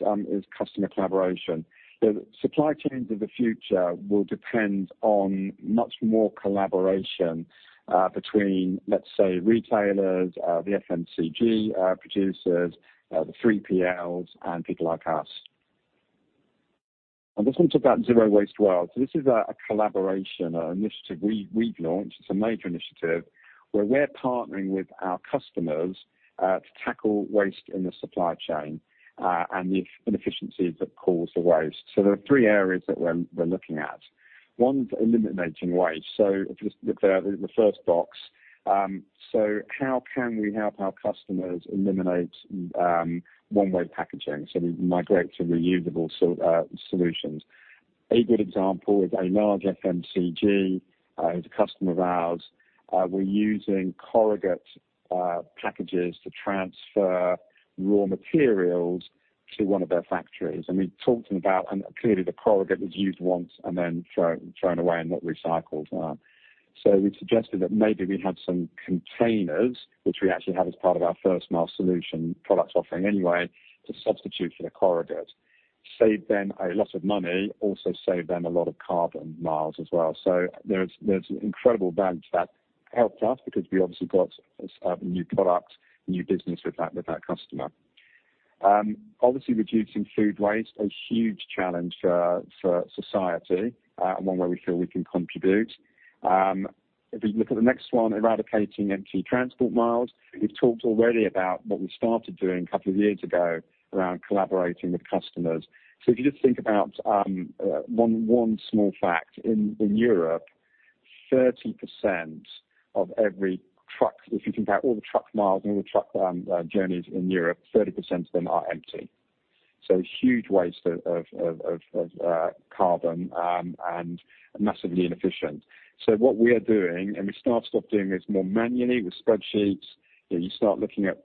customer collaboration. The supply chains of the future will depend on much more collaboration between, let's say, retailers, the FMCG producers, the 3PLs, and people like us. I just want to talk about Zero Waste World. This is a collaboration, an initiative we've launched. It's a major initiative where we're partnering with our customers to tackle waste in the supply chain and the inefficiencies that cause the waste. There are three areas that we're looking at. One is eliminating waste, the first box. How can we help our customers eliminate one-way packaging? We migrate to reusable solutions. A good example is a large FMCG is a customer of ours. We're using corrugate packages to transfer raw materials to one of their factories. Clearly, the corrugate was used once and then thrown away and not recycled. We suggested that maybe we have some containers, which we actually have as part of our first-mile solution product offering anyway, to substitute for the corrugate. Saved them a lot of money, also saved them a lot of carbon miles as well. There's incredible value to that. Helped us because we obviously got a new product, new business with that customer. Reducing food waste, a huge challenge for society, and one where we feel we can contribute. If we look at the next one, eradicating empty transport miles. We've talked already about what we started doing a couple of years ago around collaborating with customers. If you just think about one small fact. In Europe, 30% of every truck, if you think about all the truck miles and all the truck journeys in Europe, 30% of them are empty. Huge waste of carbon and massively inefficient. What we are doing, and we started doing this more manually with spreadsheets, you start looking at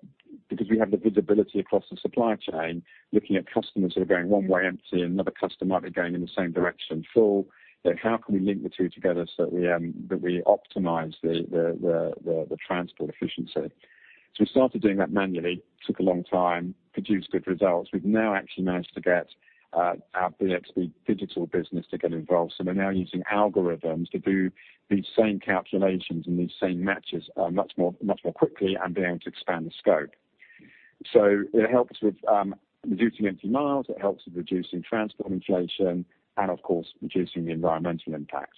because we have the visibility across the supply chain, looking at customers that are going one way empty and another customer might be going in the same direction full, how can we link the two together so that we optimize the transport efficiency? We started doing that manually. Took a long time, produced good results. We've now actually managed to get our BXB Digital business to get involved. We're now using algorithms to do these same calculations and these same matches much more quickly and be able to expand the scope. It helps with reducing empty miles, it helps with reducing transport inflation, and of course, reducing the environmental impact.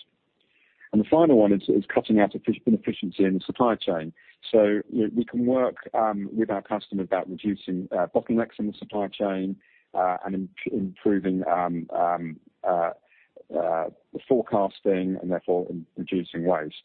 The final one is cutting out inefficiency in the supply chain. We can work with our customer about reducing bottlenecks in the supply chain, and improving forecasting, and therefore reducing waste.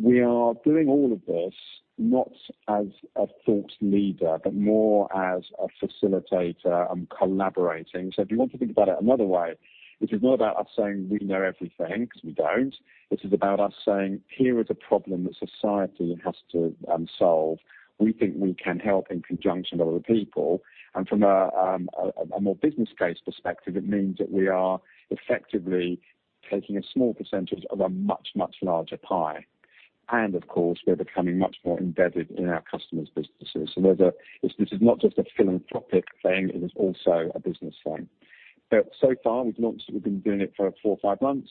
We are doing all of this not as a thought leader, but more as a facilitator and collaborating. If you want to think about it another way, it is not about us saying we know everything, because we don't. This is about us saying, here is a problem that society has to solve. We think we can help in conjunction with other people. From a more business case perspective, it means that we are effectively taking a small percentage of a much, much larger pie. Of course, we're becoming much more embedded in our customers' businesses. This is not just a philanthropic thing, it is also a business thing. So far, we've been doing it for four or five months.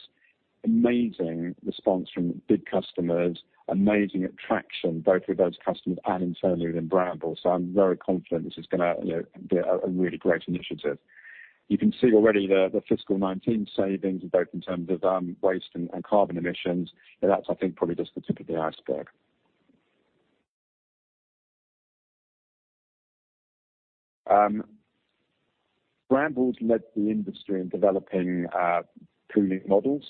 Amazing response from big customers, amazing traction, both with those customers and internally within Brambles. I'm very confident this is going to be a really great initiative. You can see already the fiscal 2019 savings, both in terms of waste and carbon emissions. That's, I think, probably just the tip of the iceberg. Brambles led the industry in developing pooling models.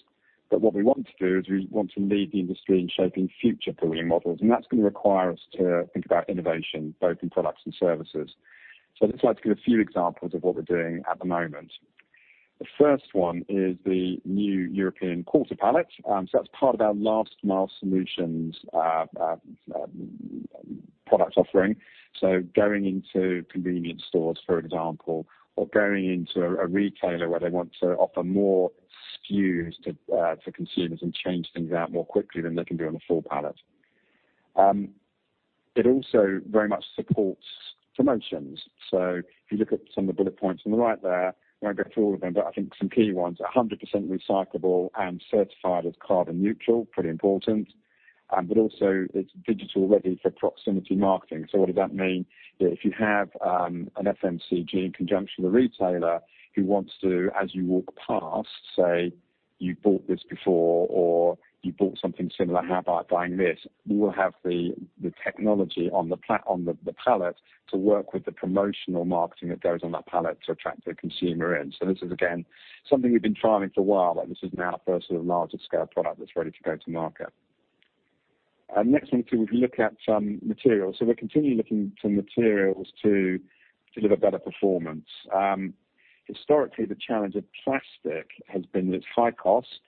What we want to do is we want to lead the industry in shaping future pooling models, and that's going to require us to think about innovation both in products and services. I'd just like to give a few examples of what we're doing at the moment. The first one is the new European quarter pallet. That's part of our last mile solutions product offering. Going into convenience stores, for example, or going into a retailer where they want to offer more SKUs to consumers and change things out more quickly than they can do on a full pallet. It also very much supports promotions. If you look at some of the bullet points on the right there, I won't go through all of them, but I think some key ones are 100% recyclable and certified as carbon neutral, pretty important. Also it's digital-ready for proximity marketing. What does that mean? If you have an FMCG in conjunction with a retailer who wants to, as you walk past, say, "You bought this before," or, "You bought something similar, how about buying this?" We will have the technology on the pallet to work with the promotional marketing that goes on that pallet to attract the consumer in. This is, again, something we've been trialing for a while, but this is now our first larger scale product that's ready to go to market. Next one, too, if you look at some materials. We're continually looking for materials to deliver better performance. Historically, the challenge of plastic has been its high cost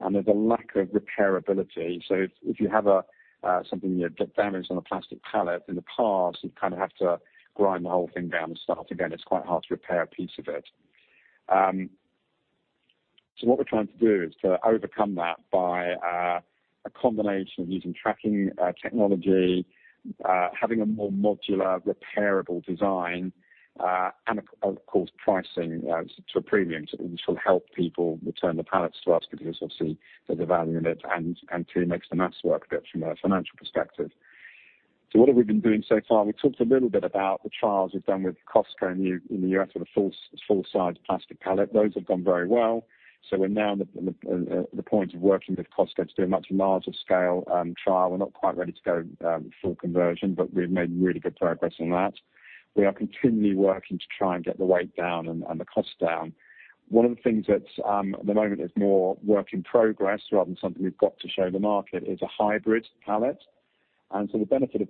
and there's a lack of repairability. If you have something that get damaged on a plastic pallet in the past, you kind of have to grind the whole thing down and start again. It's quite hard to repair a piece of it. What we're trying to do is to overcome that by a combination of using tracking technology, having a more modular repairable design, and of course, pricing to a premium. It will help people return the pallets to us because obviously there's a value in it, and two, it makes the math work better from a financial perspective. What have we been doing so far? We talked a little bit about the trials we've done with Costco in the U.S. with a full-sized plastic pallet. Those have gone very well. We're now at the point of working with Costco to do a much larger scale trial. We're not quite ready to go full conversion, but we've made really good progress on that. We are continually working to try and get the weight down and the cost down. One of the things that at the moment is more work in progress rather than something we've got to show the market is a hybrid pallet. The benefit of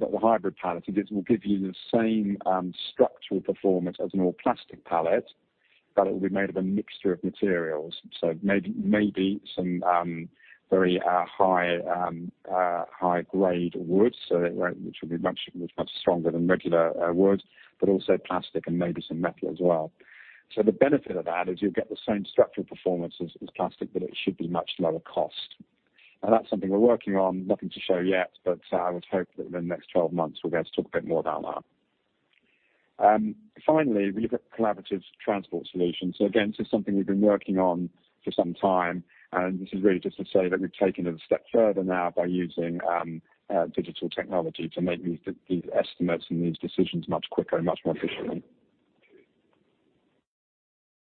the hybrid pallet is it will give you the same structural performance as an all-plastic pallet, but it will be made of a mixture of materials. Maybe some very high grade wood, which will be much stronger than regular wood, but also plastic and maybe some metal as well. The benefit of that is you'll get the same structural performance as plastic, but it should be much lower cost. That's something we're working on. Nothing to show yet, but I would hope that within the next 12 months, we'll be able to talk a bit more about that. Finally, we look at collaborative transport solutions. Again, this is something we've been working on for some time, and this is really just to say that we've taken it a step further now by using digital technology to make these estimates and these decisions much quicker and much more efficiently.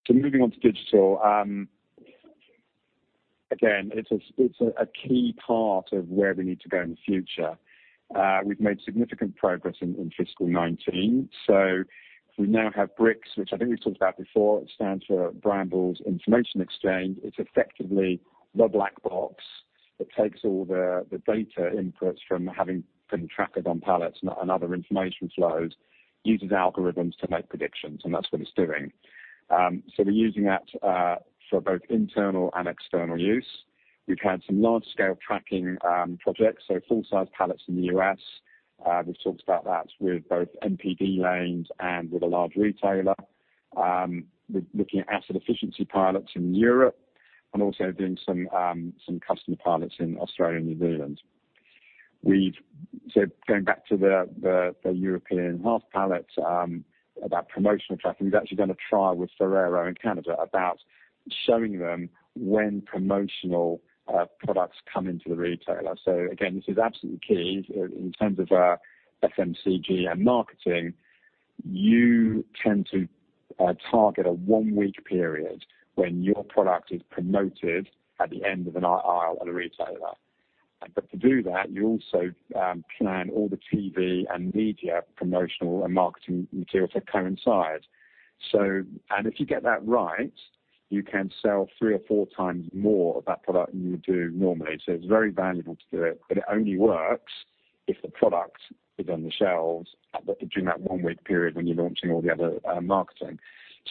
Moving on to digital. Again, it's a key part of where we need to go in the future. We've made significant progress in FY 2019. We now have BRiCS, which I think we talked about before. It stands for Brambles Information Exchange. It's effectively the black box that takes all the data inputs from having been tracked on pallets and other information flows, uses algorithms to make predictions, and that's what it's doing. We're using that for both internal and external use. We've had some large-scale tracking projects, so full-size pallets in the U.S. We've talked about that with both MPD lanes and with a large retailer. We're looking at asset efficiency pilots in Europe and also doing some customer pilots in Australia and New Zealand. Going back to the European half pallets, about promotional tracking, we've actually done a trial with Ferrero in Canada about showing them when promotional products come into the retailer. Again, this is absolutely key in terms of FMCG and marketing. You tend to target a one-week period when your product is promoted at the end of an aisle at a retailer. To do that, you also plan all the TV and media promotional and marketing material to coincide. If you get that right, you can sell three or four times more of that product than you do normally. It's very valuable to do it, but it only works if the product is on the shelves during that one-week period when you're launching all the other marketing.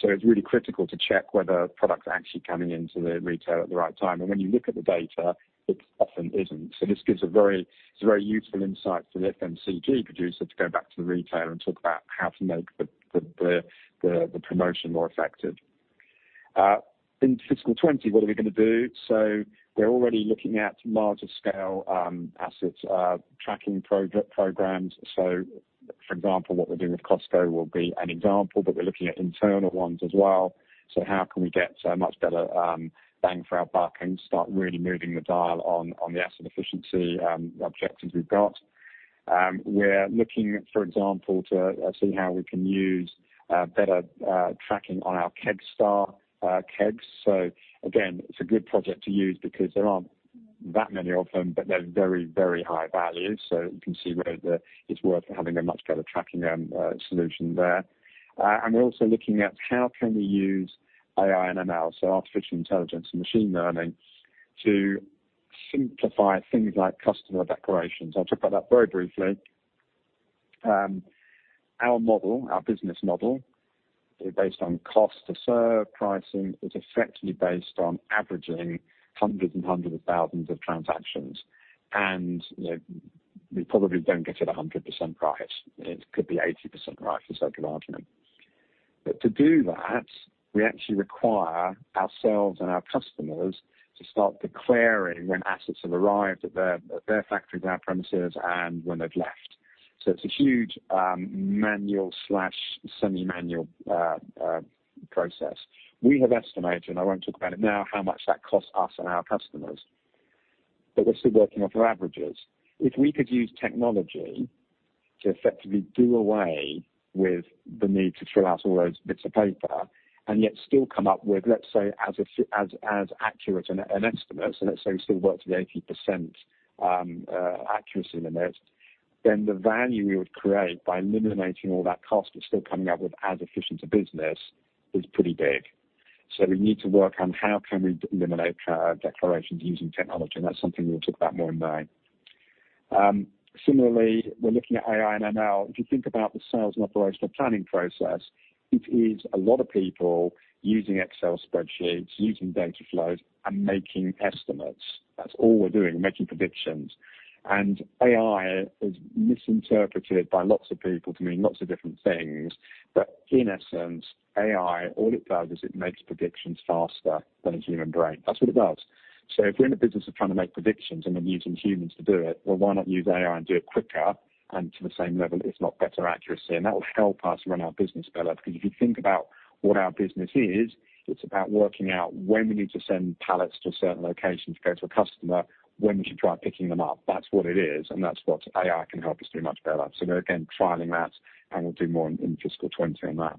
It's really critical to check whether products are actually coming into the retailer at the right time. When you look at the data, it often isn't. This gives a very useful insight for the FMCG producer to go back to the retailer and talk about how to make the promotion more effective. In fiscal 2020, what are we going to do? We're already looking at larger scale assets tracking programs. For example, what we're doing with Costco will be an example, but we're looking at internal ones as well. How can we get much better bang for our buck and start really moving the dial on the asset efficiency objectives we've got? We're looking, for example, to see how we can use better tracking on our Kegstar kegs. Again, it's a good project to use because there aren't that many of them, but they're very, very high value. You can see where it's worth having a much better tracking solution there. We're also looking at how can we use AI and ML, so artificial intelligence and machine learning, to simplify things like customer declarations. I'll talk about that very briefly. Our model, our business model is based on cost to serve. Pricing is effectively based on averaging hundreds and hundreds of thousands of transactions. We probably don't get it 100% right. It could be 80% right, for sake of argument. To do that, we actually require ourselves and our customers to start declaring when assets have arrived at their factory, to our premises, and when they've left. It's a huge manual/semi-manual process. We have estimated, and I won't talk about it now, how much that costs us and our customers. We're still working off our averages. If we could use technology to effectively do away with the need to fill out all those bits of paper and yet still come up with, let's say, as accurate an estimate, so let's say we still work to the 80% accuracy limit, then the value we would create by eliminating all that cost but still coming up with as efficient a business is pretty big. We need to work on how can we eliminate declarations using technology, and that's something we'll talk about more in May. Similarly, we're looking at AI and ML. If you think about the sales and operational planning process, it is a lot of people using Excel spreadsheets, using data flows, and making estimates. That's all we're doing, making predictions. AI is misinterpreted by lots of people to mean lots of different things. In essence, AI, all it does is it makes predictions faster than a human brain. That's what it does. If we're in the business of trying to make predictions and then using humans to do it, well, why not use AI and do it quicker and to the same level, if not better accuracy? That will help us run our business better. If you think about what our business is, it's about working out when we need to send pallets to a certain location to go to a customer, when we should try picking them up. That's what it is, and that's what AI can help us do much better. Again, trialing that, and we'll do more in fiscal 2020 on that.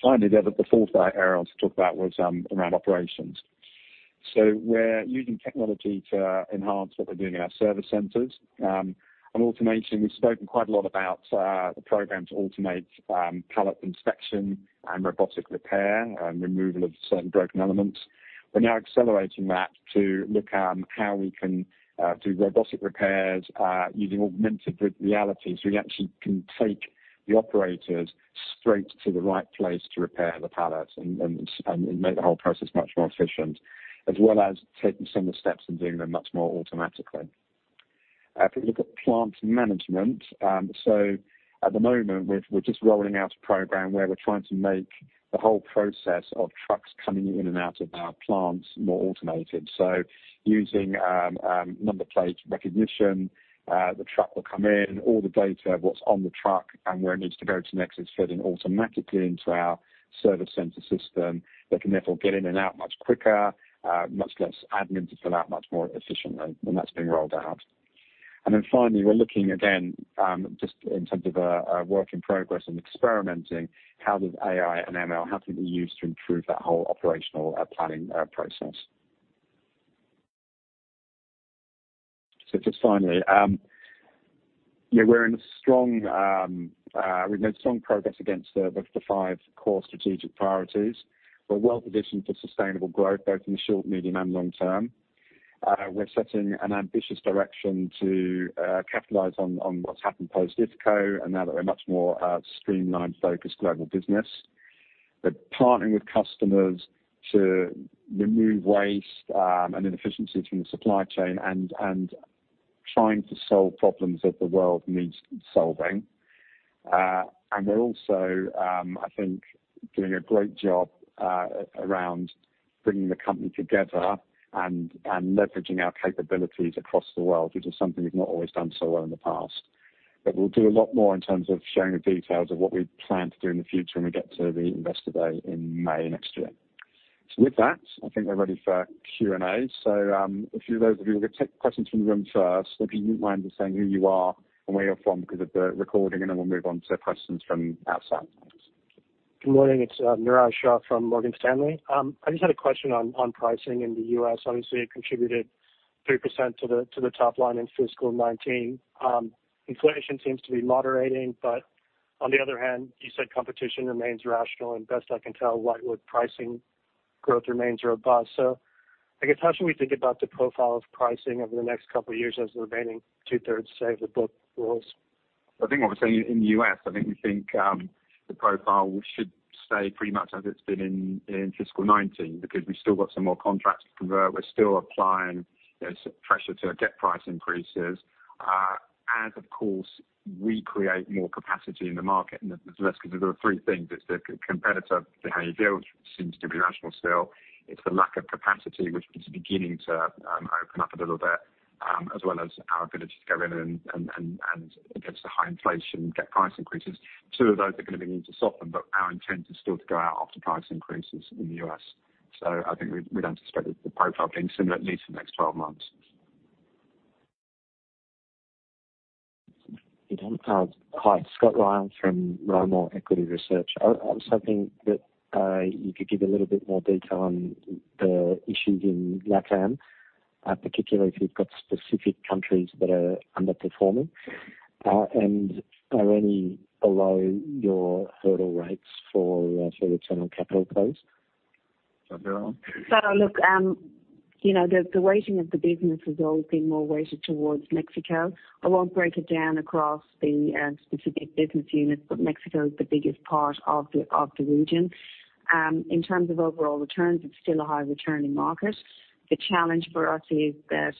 Finally, the fourth area I want to talk about was around operations. We're using technology to enhance what we're doing in our service centers. On automation, we've spoken quite a lot about the program to automate pallet inspection and robotic repair and removal of certain broken elements. We're now accelerating that to look how we can do robotic repairs using augmented reality so we actually can take the operators straight to the right place to repair the pallets and make the whole process much more efficient, as well as taking some of the steps and doing them much more automatically. If you look at plant management. At the moment we're just rolling out a program where we're trying to make the whole process of trucks coming in and out of our plants more automated. Using number plate recognition, the truck will come in, all the data of what's on the truck and where it needs to go to next is fed in automatically into our service center system. They can therefore get in and out much quicker, much less admin to fill out, much more efficiently. That's being rolled out. Finally, we're looking again, just in terms of a work in progress and experimenting, how does AI and ML, how can we use to improve that whole operational planning process? Just finally, we've made strong progress against the five core strategic priorities. We're well positioned for sustainable growth, both in the short, medium, and long term. We're setting an ambitious direction to capitalize on what's happened post-IFCO, and now that we're much more a streamlined, focused global business. We're partnering with customers to remove waste and inefficiencies from the supply chain and trying to solve problems that the world needs solving. We're also, I think, doing a great job around bringing the company together and leveraging our capabilities across the world, which is something we've not always done so well in the past. We'll do a lot more in terms of sharing the details of what we plan to do in the future when we get to the Investor Day in May next year. With that, I think we're ready for Q&A. If you'll those of you, we'll take questions from the room first. If you wouldn't mind just saying who you are and where you're from because of the recording, and then we'll move on to questions from outside. Good morning. It's Niraj Shah from Morgan Stanley. I just had a question on pricing in the U.S. Obviously, it contributed 3% to the top line in fiscal 2019. Inflation seems to be moderating, but on the other hand, you said competition remains rational, and best I can tell, Whitewood pricing growth remains robust. I guess how should we think about the profile of pricing over the next couple of years as the remaining two-thirds say of the book rolls? I think what we're saying in the U.S., I think we think the profile should stay pretty much as it's been in fiscal 2019 because we still got some more contracts to convert. We're still applying pressure to get price increases as, of course, we create more capacity in the market. That's because there are three things. It's the competitor behavior, which seems to be rational still. It's the lack of capacity, which is beginning to open up a little bit, as well as our ability to go in and against the high inflation, get price increases. Two of those are going to begin to soften, our intent is still to go out after price increases in the U.S. I think we'd anticipate the profile being similar at least for the next 12 months. Hi. Scott Ryall from Rimor Equity Research. I was hoping that you could give a little bit more detail on the issues in LATAM, particularly if you've got specific countries that are underperforming. Are any below your hurdle rates for return on capital close? Nessa? The weighting of the business has always been more weighted towards Mexico. I won't break it down across the specific business units, Mexico is the biggest part of the region. In terms of overall returns, it's still a high returning market. The challenge for us is that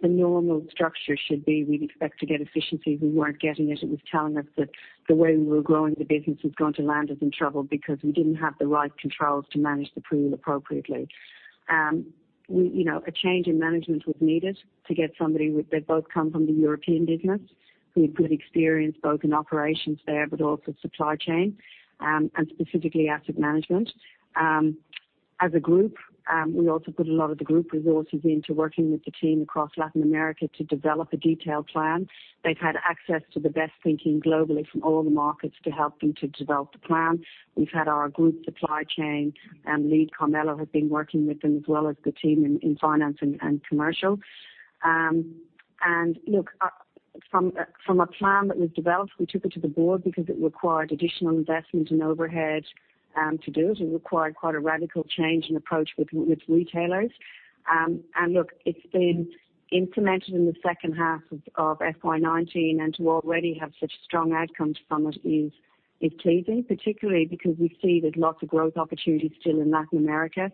the normal structure should be we'd expect to get efficiency. We weren't getting it. It was telling us that the way we were growing the business was going to land us in trouble because we didn't have the right controls to manage the pool appropriately. A change in management was needed to get somebody that both come from the European business, who had good experience both in operations there, but also supply chain, and specifically asset management. As a group, we also put a lot of the group resources into working with the team across Latin America to develop a detailed plan. They've had access to the best thinking globally from all the markets to help them to develop the plan. We've had our group supply chain lead, Carmelo, has been working with them as well as the team in finance and commercial. Look, from a plan that was developed, we took it to the Board because it required additional investment and overhead to do it. It required quite a radical change in approach with retailers. Look, it's been implemented in the second half of FY 2019, and to already have such strong outcomes from it is pleasing, particularly because we see there's lots of growth opportunities still in Latin America.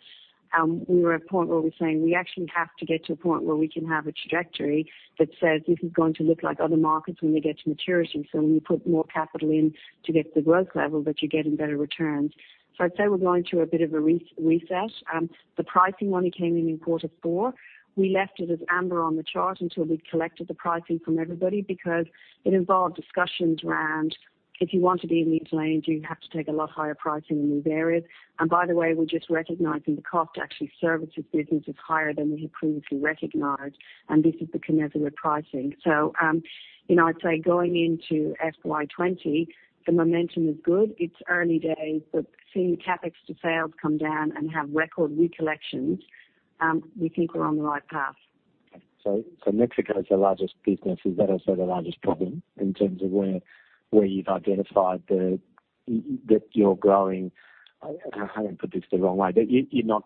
We were at a point where we were saying we actually have to get to a point where we can have a trajectory that says this is going to look like other markets when we get to maturity. When you put more capital in to get the growth level that you're getting better returns. I'd say we're going through a bit of a reset. The pricing only came in in quarter four. We left it as amber on the chart until we'd collected the pricing from everybody because it involved discussions around if you want to be in these lanes, you have to take a lot higher pricing in these areas. By the way, we're just recognizing the cost to actually service this business is higher than we had previously recognized, and this is the commensurate pricing. I'd say going into FY 2020, the momentum is good. It's early days, but seeing CapEx to sales come down and have record recollections, we think we're on the right path. Okay. Mexico is the largest business. Is that also the largest problem in terms of where you've identified that you're growing? I don't want to put this the wrong way, you've not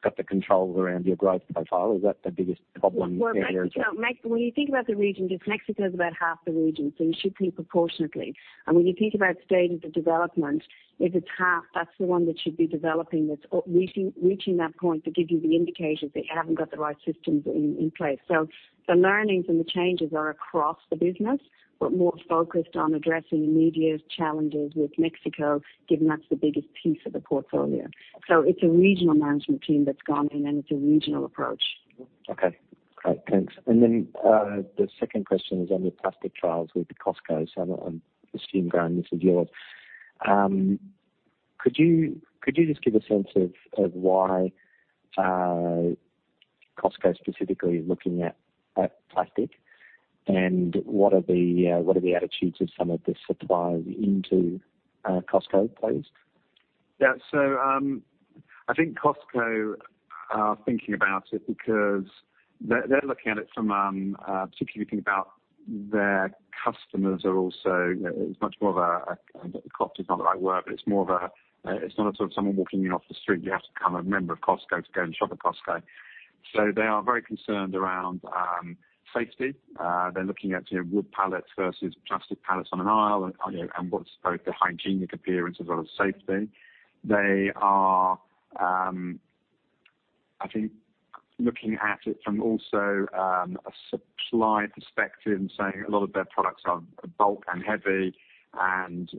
got the controls around your growth profile. Is that the biggest problem in that area? Well, when you think about the region, just Mexico is about half the region, you should think proportionately. When you think about stage of the development, if it's half, that's the one that should be developing. That's reaching that point to give you the indications that you haven't got the right systems in place. The learnings and the changes are across the business, but more focused on addressing immediate challenges with Mexico, given that's the biggest piece of the portfolio. It's a regional management team that's gone in, and it's a regional approach. Okay. Great. Thanks. The second question is on your plastic trials with Costco. I assume, Graham, this is yours. Could you just give a sense of why Costco specifically is looking at plastic? What are the attitudes of some of the suppliers into Costco, please? Yeah. I think Costco are thinking about it because they're looking at it from, particularly if you think about their customers are also, it's much more of a, craft is not the right word, but it's more of a, it's not someone walking in off the street. You have to become a member of Costco to go and shop at Costco. They are very concerned around safety. They're looking at wood pallets versus plastic pallets on an aisle and what's both the hygienic appearance as well as safety. They are, I think, looking at it from also a supply perspective and saying a lot of their products are bulk and heavy and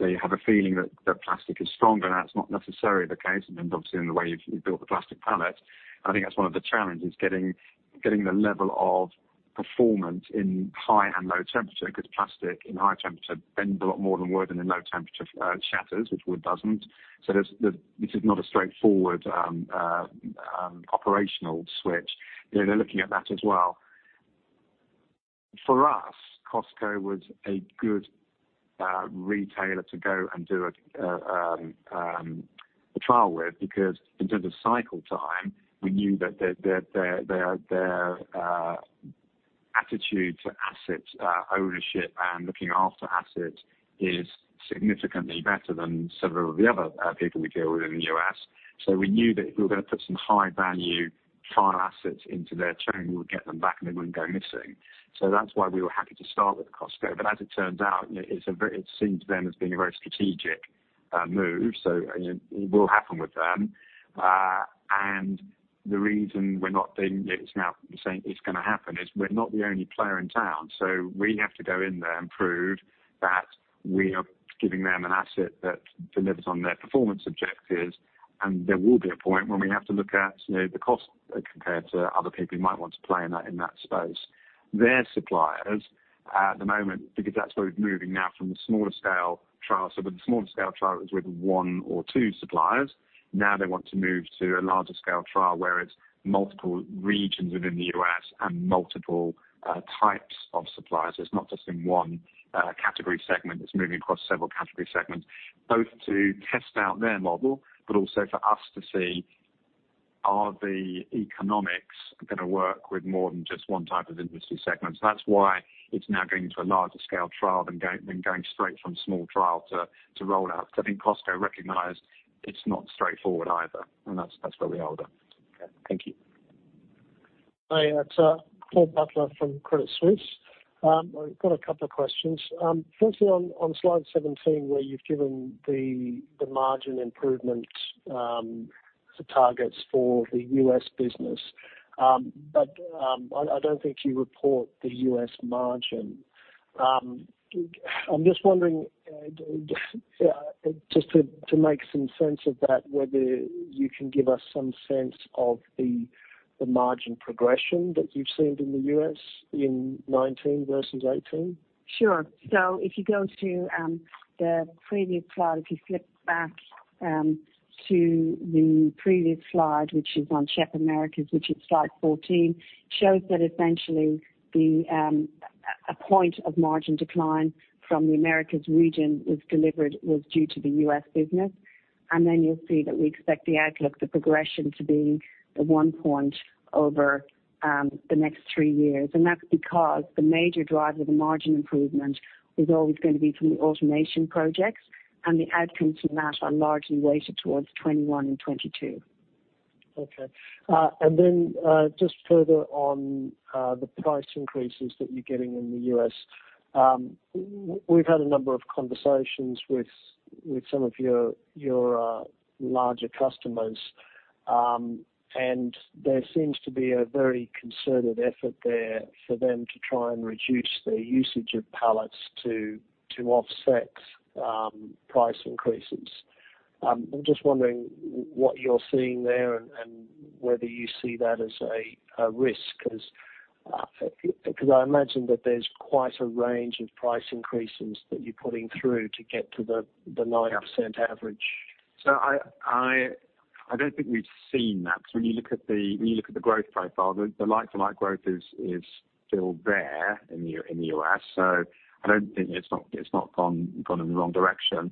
they have a feeling that plastic is stronger. Now, that's not necessarily the case, and obviously in the way you've built the plastic pallet. I think that's one of the challenges, getting the level of performance in high and low temperature, because plastic in high temperature bends a lot more than wood, and in low temperature shatters, which wood doesn't. This is not a straightforward operational switch. They're looking at that as well. For us, Costco was a good retailer to go and do a trial with because in terms of cycle time, we knew that their attitude to asset ownership and looking after assets is significantly better than several of the other people we deal with in the U.S. We knew that if we were going to put some high-value trial assets into their chain, we would get them back, and they wouldn't go missing. That's why we were happy to start with Costco. As it turns out, it seems to them as being a very strategic move. It will happen with them. The reason we're not saying it's going to happen is we're not the only player in town. We have to go in there and prove that we are giving them an asset that delivers on their performance objectives. There will be a point when we have to look at the cost compared to other people who might want to play in that space. Their suppliers at the moment, because that's where we're moving now from the smaller scale trial. The smaller scale trial is with one or two suppliers. They want to move to a larger scale trial where it's multiple regions within the U.S. and multiple types of suppliers. It's not just in one category segment. It's moving across several category segments, both to test out their model, but also for us to see are the economics going to work with more than just one type of industry segment? That's why it's now going to a larger scale trial than going straight from small trial to roll out. I think Costco recognized it's not straightforward either, and that's where we are there. Okay. Thank you. Hey, it's Paul Butler from Credit Suisse. I've got a couple of questions. Firstly, on slide 17, where you've given the margin improvement targets for the U.S. business. I don't think you report the U.S. margin. I'm just wondering, just to make some sense of that, whether you can give us some sense of the margin progression that you've seen in the U.S. in 2019 versus 2018. Sure. If you go to the previous slide, if you flip back to the previous slide, which is on CHEP Americas, which is slide 14, shows that essentially a point of margin decline from the Americas region was due to the U.S. business. You'll see that we expect the outlook, the progression to be the one point over the next three years. That's because the major driver of the margin improvement is always going to be through the automation projects and the outcomes from that are largely weighted towards 2021 and 2022. Okay. Just further on the price increases that you're getting in the U.S. We've had a number of conversations with some of your larger customers, and there seems to be a very concerted effort there for them to try and reduce their usage of pallets to offset price increases. I'm just wondering what you're seeing there and whether you see that as a risk. I imagine that there's quite a range of price increases that you're putting through to get to the 9% average. I don't think we've seen that because when you look at the growth profile, the like-to-like growth is still there in the U.S. I don't think it's not gone in the wrong direction.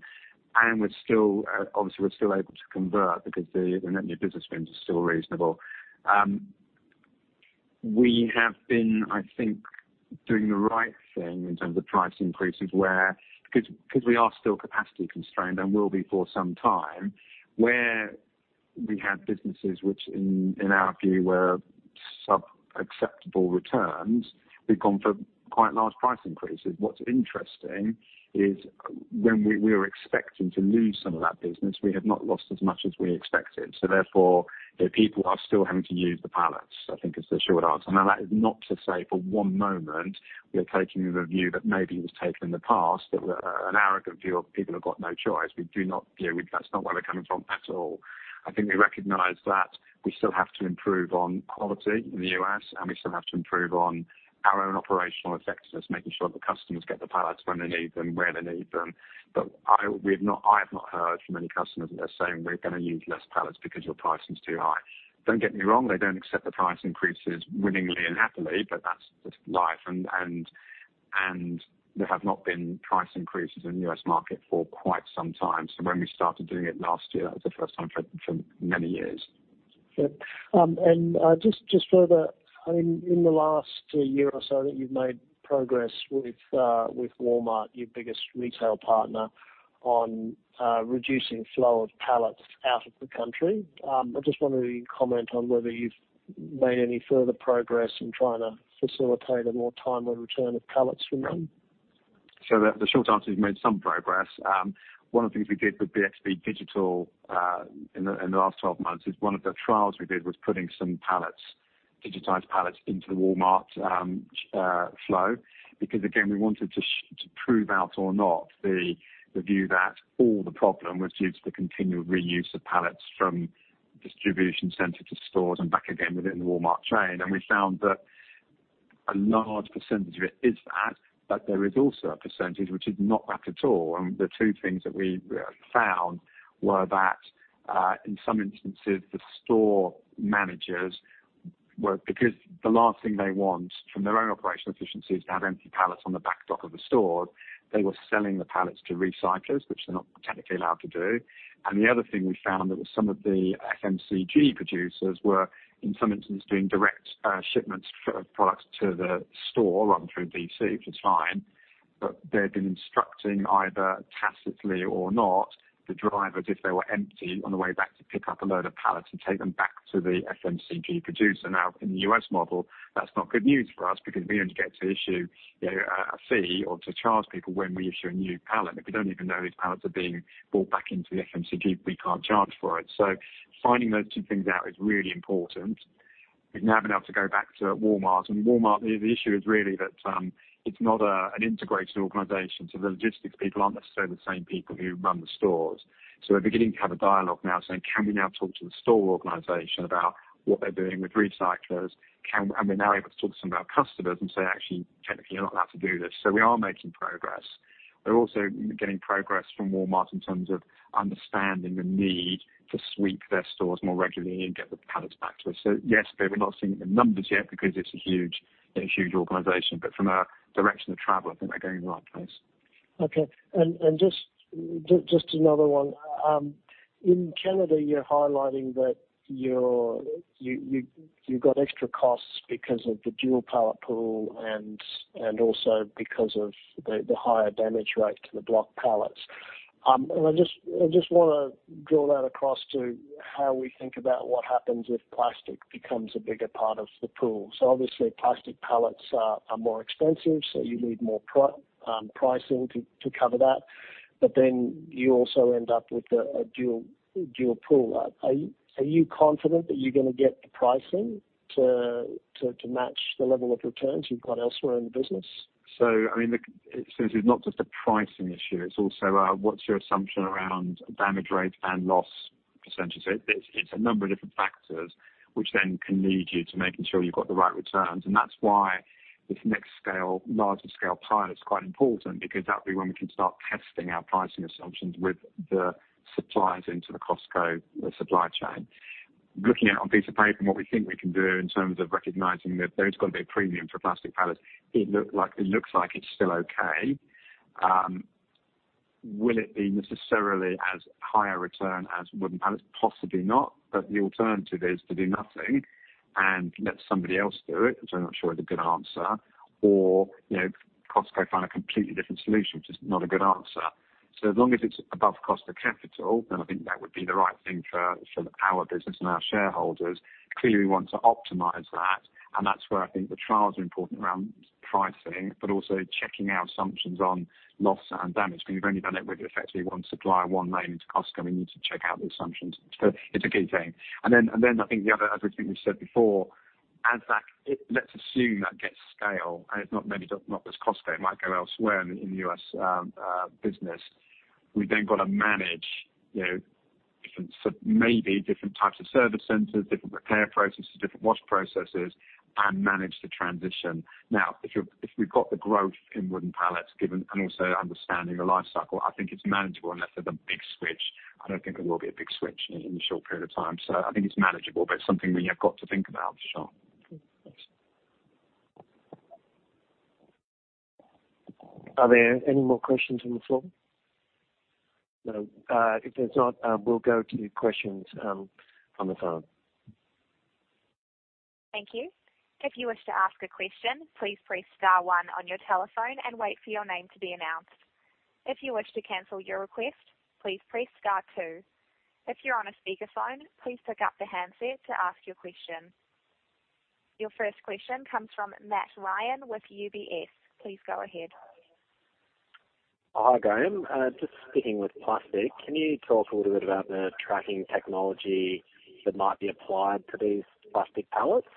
Obviously, we're still able to convert because the net new business wins are still reasonable. We have been, I think, doing the right thing in terms of price increases where, because we are still capacity constrained and will be for some time, where we had businesses which, in our view, were sub-acceptable returns, we've gone for quite large price increases. What's interesting is when we were expecting to lose some of that business, we have not lost as much as we expected. Therefore, people are still having to use the pallets, I think is the short answer. That is not to say for one moment we are taking the view that maybe was taken in the past, that an arrogant view of people have got no choice. That's not where we're coming from at all. I think we recognize that we still have to improve on quality in the U.S., and we still have to improve on our own operational effectiveness, making sure the customers get the pallets when they need them, where they need them. I have not heard from any customers that are saying, "We're going to use less pallets because your pricing is too high." Don't get me wrong, they don't accept the price increases willingly and happily, but that's just life, and there have not been price increases in the U.S. market for quite some time. When we started doing it last year, that was the first time for many years. Sure. Just further, in the last year or so that you've made progress with Walmart, your biggest retail partner, on reducing flow of pallets out of the country. I just wonder whether you can comment on whether you've made any further progress in trying to facilitate a more timely return of pallets from them? The short answer is we've made some progress. One of the things we did with BXB Digital in the last 12 months is one of the trials we did was putting some digitized pallets into the Walmart flow. Again, we wanted to prove out or not the view that all the problem was due to the continued reuse of pallets from distribution center to stores and back again within the Walmart chain. We found that a large percentage of it is that, but there is also a percentage which is not that at all. The two things that we found were that, in some instances, the store managers were, because the last thing they want from their own operational efficiency is to have empty pallets on the back dock of the store. They were selling the pallets to recyclers, which they're not technically allowed to do. The other thing we found was some of the FMCG producers were, in some instances, doing direct shipments for products to the store rather than through DC, which is fine, but they had been instructing either tacitly or not, the drivers, if they were empty on the way back, to pick up a load of pallets and take them back to the FMCG producer. In the U.S. model, that's not good news for us because we only get to issue a fee or to charge people when we issue a new pallet. If we don't even know these pallets are being brought back into the FMCG, we can't charge for it. Finding those two things out is really important. We've now been able to go back to Walmart. Walmart, the issue is really that it's not an integrated organization, the logistics people aren't necessarily the same people who run the stores. We're beginning to have a dialogue now saying, can we now talk to the store organization about what they're doing with recyclers? We're now able to talk to some of our customers and say, "Actually, technically, you're not allowed to do this." We are making progress. We're also getting progress from Walmart in terms of understanding the need to sweep their stores more regularly and get the pallets back to us. Yes, but we're not seeing it in numbers yet because it's a huge organization. From a direction of travel, I think we're going in the right place. Okay. Just another one. In Canada, you're highlighting that you got extra costs because of the dual pallet pool and also because of the higher damage rate to the block pallets. I just want to draw that across to how we think about what happens if plastic becomes a bigger part of the pool. Obviously, plastic pallets are more expensive, so you need more pricing to cover that. You also end up with a dual pool. Are you confident that you're going to get the pricing to match the level of returns you've got elsewhere in the business? This is not just a pricing issue, it's also what's your assumption around damage rate and loss percentage? It's a number of different factors which then can lead you to making sure you've got the right returns. That's why this next larger scale pilot is quite important because that'll be when we can start testing our pricing assumptions with the suppliers into the Costco supply chain. Looking at it on piece of paper and what we think we can do in terms of recognizing that there's got to be a premium for plastic pallets, it looks like it's still okay. Will it be necessarily as high a return as wooden pallets? Possibly not. The alternative is to do nothing and let somebody else do it, which I'm not sure is a good answer. Costco find a completely different solution, which is not a good answer. As long as it's above cost of capital, I think that would be the right thing for our business and our shareholders. Clearly, we want to optimize that, and that's where I think the trials are important around pricing, but also checking our assumptions on loss and damage. We've only done it with effectively one supplier, one lane into Costco, and we need to check out the assumptions. It's a key thing. I think the other, as I think we've said before, as that, let's assume that gets scale, and it's not maybe not just Costco, it might go elsewhere in the U.S. business. We've then got to manage maybe different types of service centers, different repair processes, different wash processes, and manage the transition. If we've got the growth in wooden pallets given and also understanding the life cycle, I think it's manageable unless there's a big switch. I don't think there will be a big switch in a short period of time. I think it's manageable, but it's something we have got to think about, sure. Okay. Thanks. Are there any more questions on the floor? No. If there's not, we'll go to questions from the phone. Thank you. If you wish to ask a question, please press star one on your telephone and wait for your name to be announced. If you wish to cancel your request, please press star two. If you're on a speakerphone, please pick up the handset to ask your question. Your first question comes from Matt Ryan with UBS. Please go ahead. Hi, Graham. Just sticking with plastic, can you talk a little bit about the tracking technology that might be applied to these plastic pallets?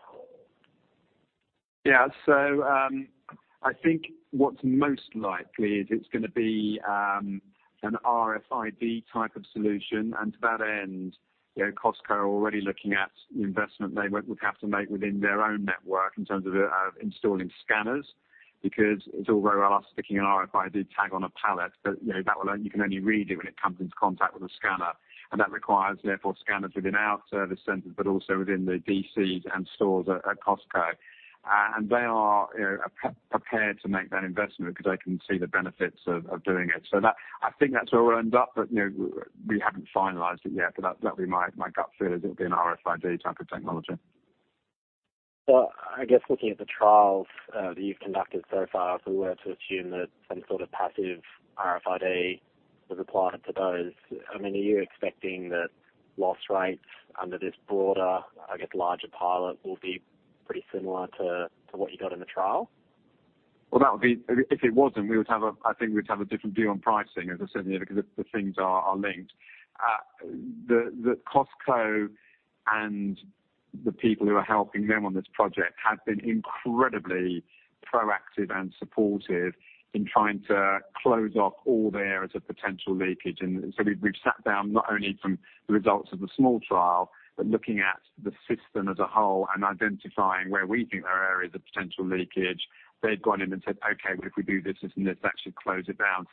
I think what's most likely is it's going to be an RFID type of solution. To that end, Costco are already looking at the investment they would have to make within their own network in terms of installing scanners. Because it's all very well us sticking an RFID tag on a pallet, but you can only read it when it comes into contact with a scanner. That requires, therefore, scanners within our service centers, but also within the DCs and stores at Costco. They are prepared to make that investment because they can see the benefits of doing it. I think that's where we'll end up, but we haven't finalized it yet. That'd be my gut feel, is it'll be an RFID type of technology. I guess looking at the trials that you've conducted so far, if we were to assume that some sort of passive RFID was applied to those, are you expecting that loss rates under this broader, larger pilot will be pretty similar to what you got in the trial? Well, if it wasn't, I think we'd have a different view on pricing, as I said, because the things are linked. Costco and the people who are helping them on this project have been incredibly proactive and supportive in trying to close off all the areas of potential leakage. We've sat down, not only from the results of the small trial, but looking at the system as a whole and identifying where we think there are areas of potential leakage. They've gone in and said, "Okay, but if we do this, and this, actually close it down."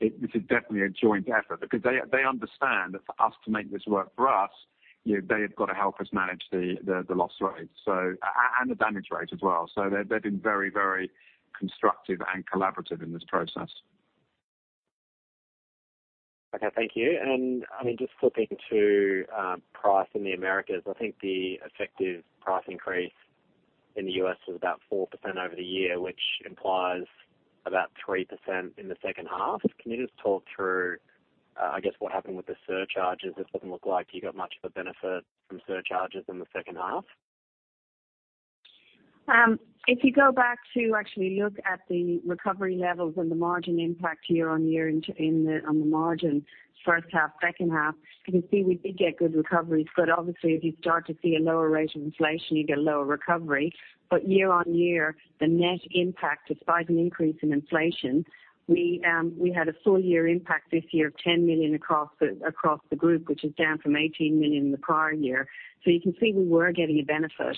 This is definitely a joint effort because they understand that for us to make this work for us, they've got to help us manage the loss rates and the damage rates as well. They've been very, very constructive and collaborative in this process. Okay, thank you. Just flipping to price in the Americas, I think the effective price increase in the U.S. was about 4% over the year, which implies about 3% in the second half. Can you just talk through, I guess what happened with the surcharges? It doesn't look like you got much of a benefit from surcharges in the second half. If you go back to actually look at the recovery levels and the margin impact year-on-year on the margin, first half, second half, you can see we did get good recoveries. Obviously, if you start to see a lower rate of inflation, you get a lower recovery. Year-on-year, the net impact, despite an increase in inflation, we had a full year impact this year of $10 million across the group, which is down from $18 million in the prior year. You can see we were getting a benefit,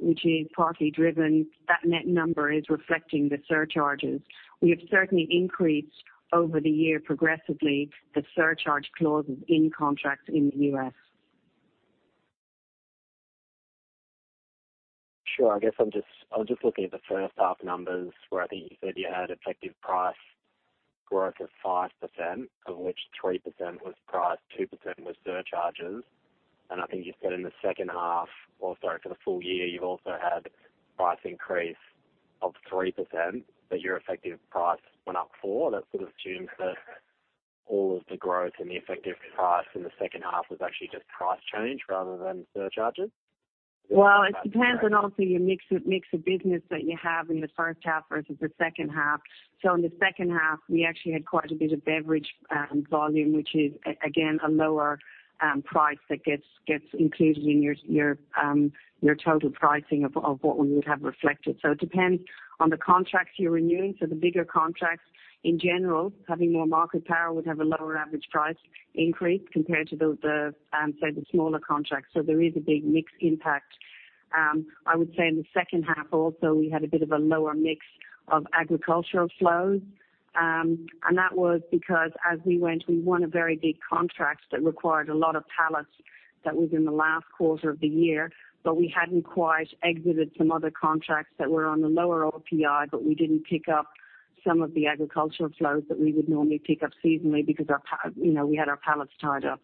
which is partly driven, that net lumber is reflecting the surcharges. We have certainly increased over the year progressively the surcharge clauses in contracts in the U.S. Sure. I guess I was just looking at the first half numbers where I think you said you had effective price growth of 5%, of which 3% was price, 2% was surcharges. I think you said in the second half, or sorry, for the full year, you also had price increase of 3%, but your effective price went up four. That sort of assumes that all of the growth in the effective price in the second half was actually just price change rather than surcharges. Well, it depends on obviously your mix of business that you have in the first half versus the second half. In the second half, we actually had quite a bit of beverage volume, which is again, a lower price that gets included in your total pricing of what we would have reflected. It depends on the contracts you're renewing. The bigger contracts in general, having more market power would have a lower average price increase compared to say, the smaller contracts. There is a big mix impact. I would say in the second half also, we had a bit of a lower mix of agricultural flows. That was because as we went, we won a very big contract that required a lot of pallets. That was in the last quarter of the year, but we hadn't quite exited some other contracts that were on the lower OPI, but we didn't pick up some of the agricultural flows that we would normally pick up seasonally because we had our pallets tied up.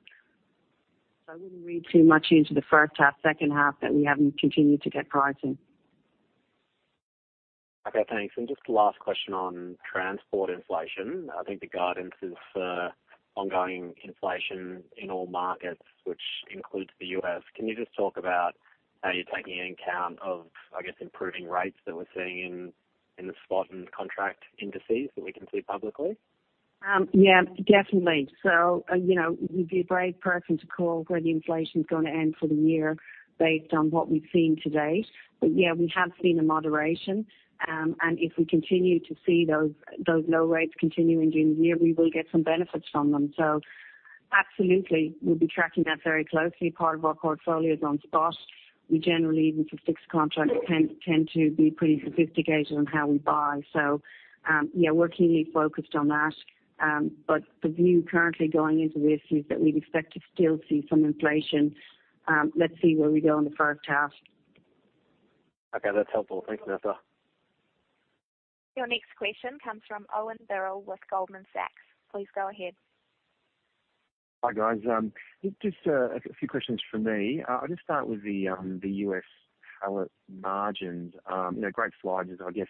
I wouldn't read too much into the first half, second half that we haven't continued to get pricing. Okay, thanks. Just last question on transport inflation. I think the guidance is for ongoing inflation in all markets, which includes the U.S. Can you just talk about how you're taking account of, I guess, improving rates that we're seeing in the spot and contract indices that we can see publicly? Yeah, definitely. You'd be a brave person to call where the inflation's going to end for the year based on what we've seen to date. Yeah, we have seen a moderation. If we continue to see those low rates continuing during the year, we will get some benefits from them. Absolutely, we'll be tracking that very closely. Part of our portfolio is on spot. We generally, even for fixed contracts, tend to be pretty sophisticated on how we buy. Yeah, we're keenly focused on that. The view currently going into this is that we'd expect to still see some inflation. Let's see where we go in the first half. Okay, that's helpful. Thanks, Nessa. Your next question comes from Owen Birrell with Goldman Sachs. Please go ahead. Hi, guys. Just a few questions from me. I'll just start with the U.S. pallet margins. Great slides, I guess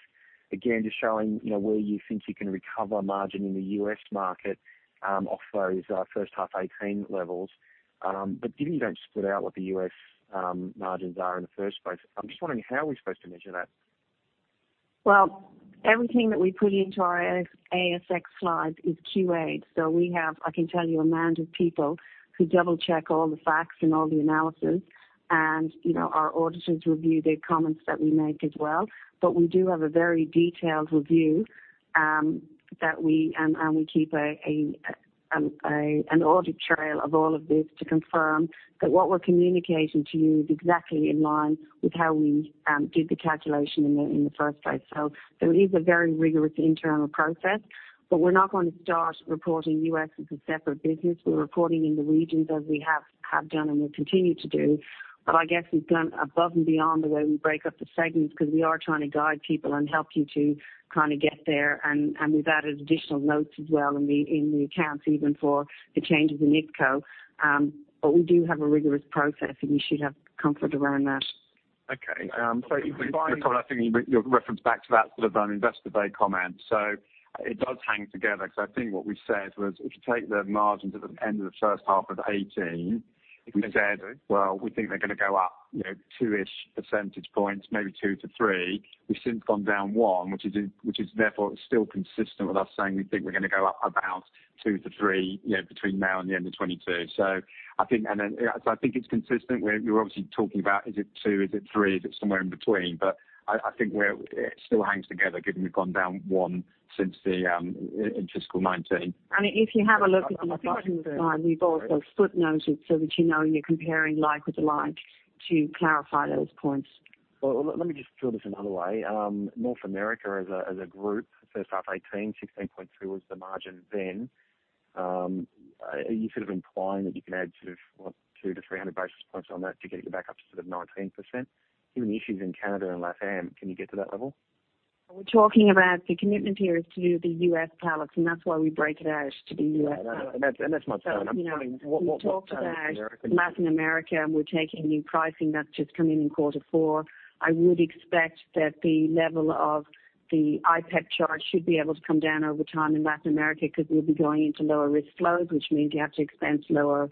again, just showing where you think you can recover margin in the U.S. market off those first half 2018 levels. Given you don't split out what the U.S. margins are in the first place, I'm just wondering how are we supposed to measure that? Everything that we put into our ASX slides is QA. We have, I can tell you, amount of people who double-check all the facts and all the analysis and our auditors review the comments that we make as well. We do have a very detailed review, and we keep an audit trail of all of this to confirm that what we're communicating to you is exactly in line with how we did the calculation in the first place. It is a very rigorous internal process, but we're not going to start reporting U.S. as a separate business. We're reporting in the regions as we have done and will continue to do. I guess we've gone above and beyond the way we break up the segments because we are trying to guide people and help you to get there, and we've added additional notes as well in the accounts, even for the changes in IFCO. We do have a rigorous process, and you should have comfort around that. Okay. Owen, I think your reference back to that sort of Investor Day comment. It does hang together because I think what we said was if you take the margins at the end of the first half of 2018, we said, well, we think they're going to go up two-ish percentage points, maybe two to three. We've since gone down one, which is therefore still consistent with us saying we think we're going to go up about two to three between now and the end of 2022. I think it's consistent. We're obviously talking about is it two, is it three, is it somewhere in between, but I think it still hangs together given we've gone down one since the, in fiscal 2019. If you have a look at the margin slide, we've also footnoted so that you know you're comparing like with like to clarify those points. Well, let me just drill this another way. North America as a group, first half 2018, 16.2% was the margin then. Are you sort of implying that you can add sort of what, 2 to 300 basis points on that to get you back up to sort of 19%? Given the issues in Canada and LATAM, can you get to that level? We're talking about the commitment here is to the U.S. pallets, and that's why we break it out to the U.S. pallets. That's my point. We talked about Latin America, and we're taking new pricing that's just come in quarter four. I would expect that the level of the IPEP charge should be able to come down over time in Latin America because we'll be going into lower risk flows, which means you have to expense lower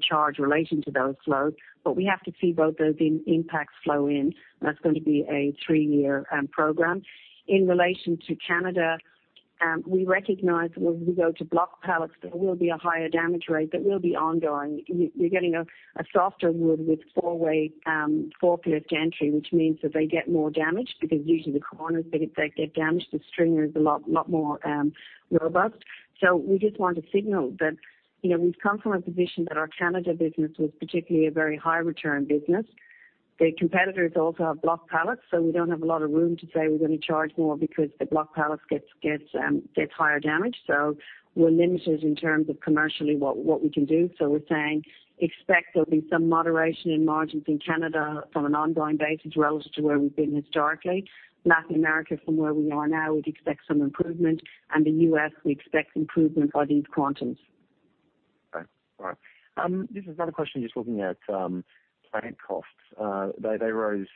charge relating to those flows. We have to see both those impacts flow in, and that's going to be a three-year program. In relation to Canada, we recognize when we go to block pallets there will be a higher damage rate that will be ongoing. You're getting a softer wood with 4-way forklift entry, which means that they get more damaged because usually the corners, they get damaged. The stringer is a lot more robust. We just want to signal that we've come from a position that our Canada business was particularly a very high return business. The competitors also have block pallets, so we don't have a lot of room to say we're going to charge more because the block pallets gets higher damage. We're limited in terms of commercially what we can do. We're saying expect there'll be some moderation in margins in Canada on an ongoing basis relative to where we've been historically. Latin America from where we are now, we'd expect some improvement. The U.S. we expect improvement by these quantums. Okay. All right. This is another question, just looking at plant costs. They rose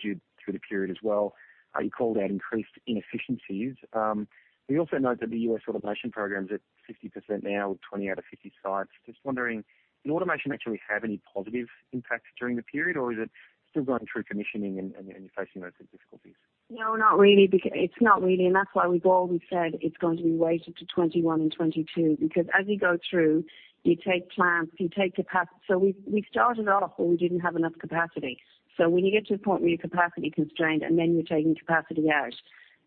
through the period as well. You called out increased inefficiencies. We also note that the U.S. automation program's at 50% now with 20 out of 50 sites. Just wondering, did automation actually have any positive impacts during the period, or is it still going through commissioning and you're facing those sort of difficulties? No, not really. It's not really. That's why we've always said it's going to be weighted to 2021 and 2022. As you go through, you take plants, you take. We started off, but we didn't have enough capacity. When you get to a point where you're capacity constrained and then you're taking capacity out,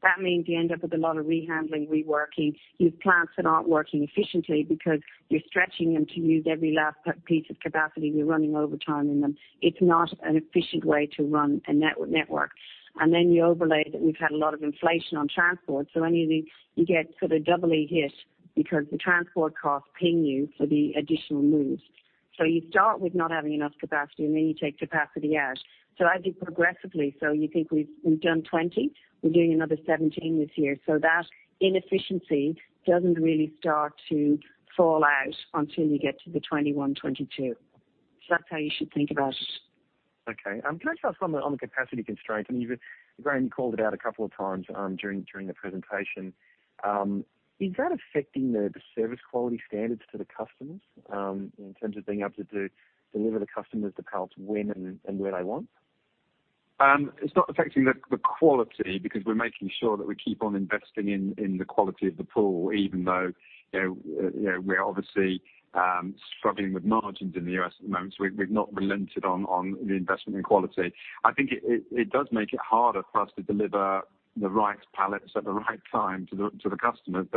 that means you end up with a lot of rehandling, reworking. You've plants that aren't working efficiently because you're stretching them to use every last piece of capacity. You're running overtime in them. It's not an efficient way to run a network. You overlay that we've had a lot of inflation on transport. You get sort of doubly hit because the transport costs ping you for the additional moves. You start with not having enough capacity, and then you take capacity out. As you progressively, so you think we've done 20, we're doing another 17 this year. That inefficiency doesn't really start to fall out until you get to the 2021, 2022. That's how you should think about it. Okay. Can I just ask on the capacity constraints, I mean, Graham, you called it out a couple of times during the presentation. Is that affecting the service quality standards to the customers in terms of being able to deliver the customers the pallets when and where they want? It's not affecting the quality because we're making sure that we keep on investing in the quality of the pool, even though we're obviously struggling with margins in the U.S. at the moment. We've not relented on the investment in quality. I think it does make it harder for us to deliver the right pallets at the right time to the customers.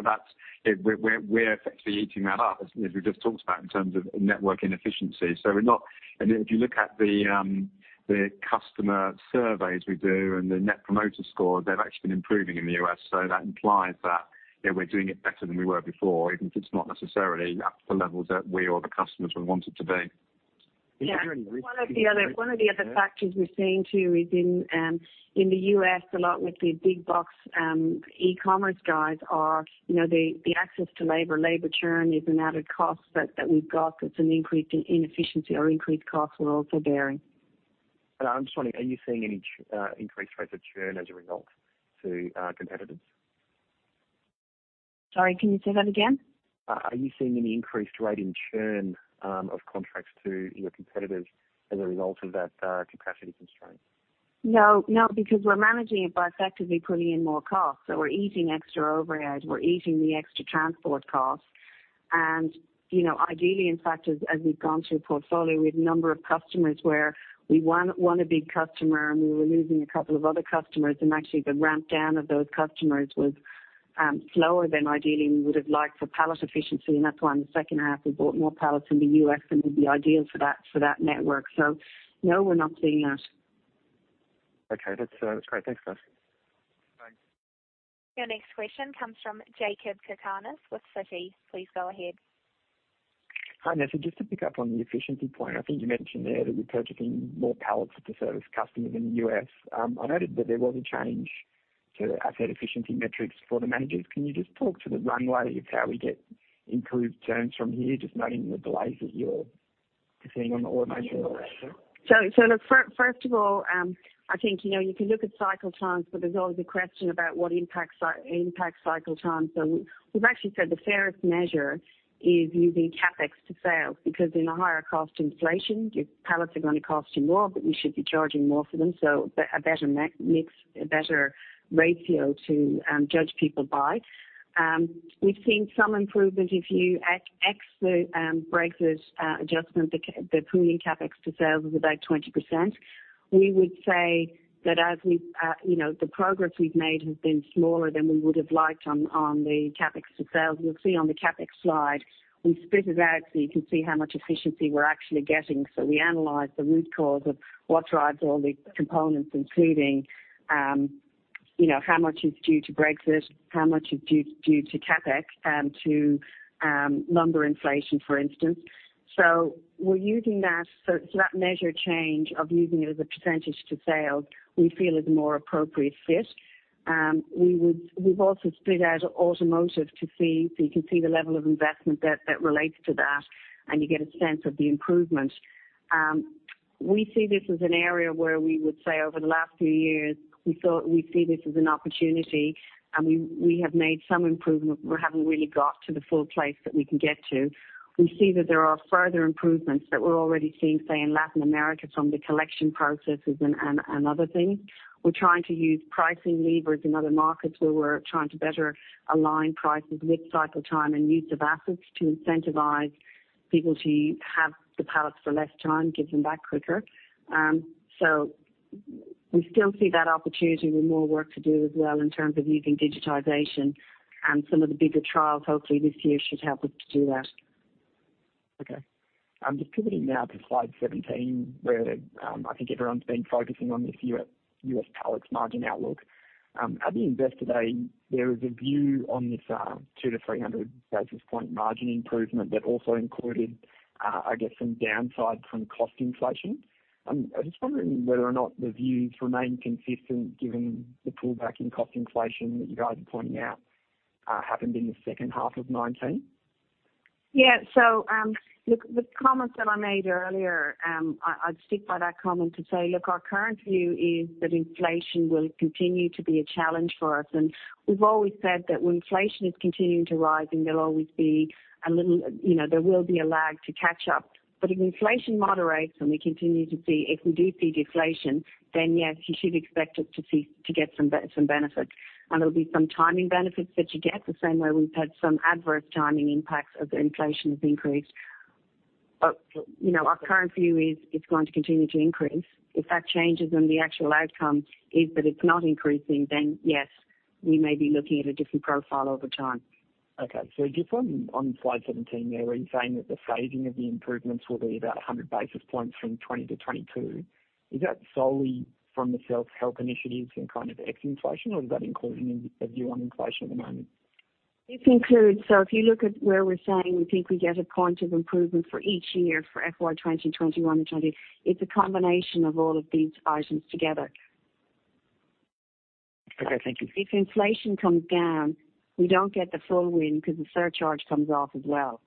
We're effectively eating that up as we just talked about in terms of network inefficiency. If you look at the customer surveys we do and the Net Promoter Score, they've actually been improving in the U.S., so that implies that we're doing it better than we were before, even if it's not necessarily at the levels that we or the customers would want it to be. Yeah. One of the other factors we're seeing too is in the U.S., a lot with the big box e-commerce guys are the access to labor. Labor churn is an added cost that we've got that's an increased inefficiency or increased costs we're also bearing. I'm just wondering, are you seeing any increased rates of churn as a result to competitors? Sorry, can you say that again? Are you seeing any increased rate in churn of contracts to your competitors as a result of that capacity constraint? Because we're managing it by effectively putting in more cost. We're eating extra overhead, we're eating the extra transport cost. Ideally, in fact, as we've gone through the portfolio, we had a number of customers where we won a big customer, and we were losing a couple of other customers, and actually the ramp down of those customers was slower than ideally we would've liked for pallet efficiency. That's why in the second half we bought more pallets in the U.S. than would be ideal for that network. No, we're not seeing that. Okay. That's great. Thanks, guys. Thanks. Your next question comes from Jakob Cakarnis with Citi. Please go ahead. Hi, Nessa. Just to pick up on the efficiency point, I think you mentioned there that you're purchasing more pallets to service customers in the U.S. I noted that there was a change to asset efficiency metrics for the managers. Can you just talk to the runway of how we get improved terms from here, just noting the delays that you're seeing on the automation rollout? Look, first of all, I think you can look at cycle times, but there's always a question about what impacts cycle time. We've actually said the fairest measure is using CapEx to sales, because in a higher cost inflation, your pallets are going to cost you more, but you should be charging more for them. A better mix, a better ratio to judge people by. We've seen some improvement. If you ex the Brexit adjustment, the pooling CapEx to sales is about 20%. We would say that the progress we've made has been smaller than we would've liked on the CapEx to sales. You'll see on the CapEx slide, we split it out so you can see how much efficiency we're actually getting. We analyze the root cause of what drives all the components, including how much is due to Brexit, how much is due to CapEx, and to lumber inflation, for instance. We're using that. That measure change of using it as a % to sales, we feel is a more appropriate fit. We've also split out automotive so you can see the level of investment that relates to that, and you get a sense of the improvement. We see this as an area where we would say over the last few years, we see this as an opportunity, and we have made some improvement. We haven't really got to the full place that we can get to. We see that there are further improvements that we're already seeing, say, in Latin America from the collection processes and other things. We're trying to use pricing levers in other markets where we're trying to better align prices with cycle time and use of assets to incentivize people to have the pallets for less time, give them back quicker. We still see that opportunity with more work to do as well in terms of using digitization and some of the bigger trials hopefully this year should help us to do that. Okay. Just pivoting now to slide 17, where I think everyone's been focusing on this U.S. pallets margin outlook. At the investor day, there was a view on this 200-300 basis point margin improvement that also included, I guess, some downside from cost inflation. I'm just wondering whether or not the views remain consistent given the pullback in cost inflation that you guys are pointing out happened in the second half of 2019. Look, the comments that I made earlier, I'd stick by that comment to say, look, our current view is that inflation will continue to be a challenge for us. We've always said that when inflation is continuing to rise, there will be a lag to catch up. If inflation moderates and if we do see deflation, yes, you should expect us to get some benefits. There'll be some timing benefits that you get, the same way we've had some adverse timing impacts as the inflation has increased. Our current view is it's going to continue to increase. If that changes and the actual outcome is that it's not increasing, yes, we may be looking at a different profile over time. Just on slide 17 there, where you are saying that the phasing of the improvements will be about 100 basis points from 2020 to 2022, is that solely from the self-help initiatives and kind of ex inflation, or is that including a view on inflation at the moment? If you look at where we're saying we think we get a point of improvement for each year for FY 2021 and FY 2020, it's a combination of all of these items together. Okay, thank you. If inflation comes down, we don't get the full win because the surcharge comes off as well.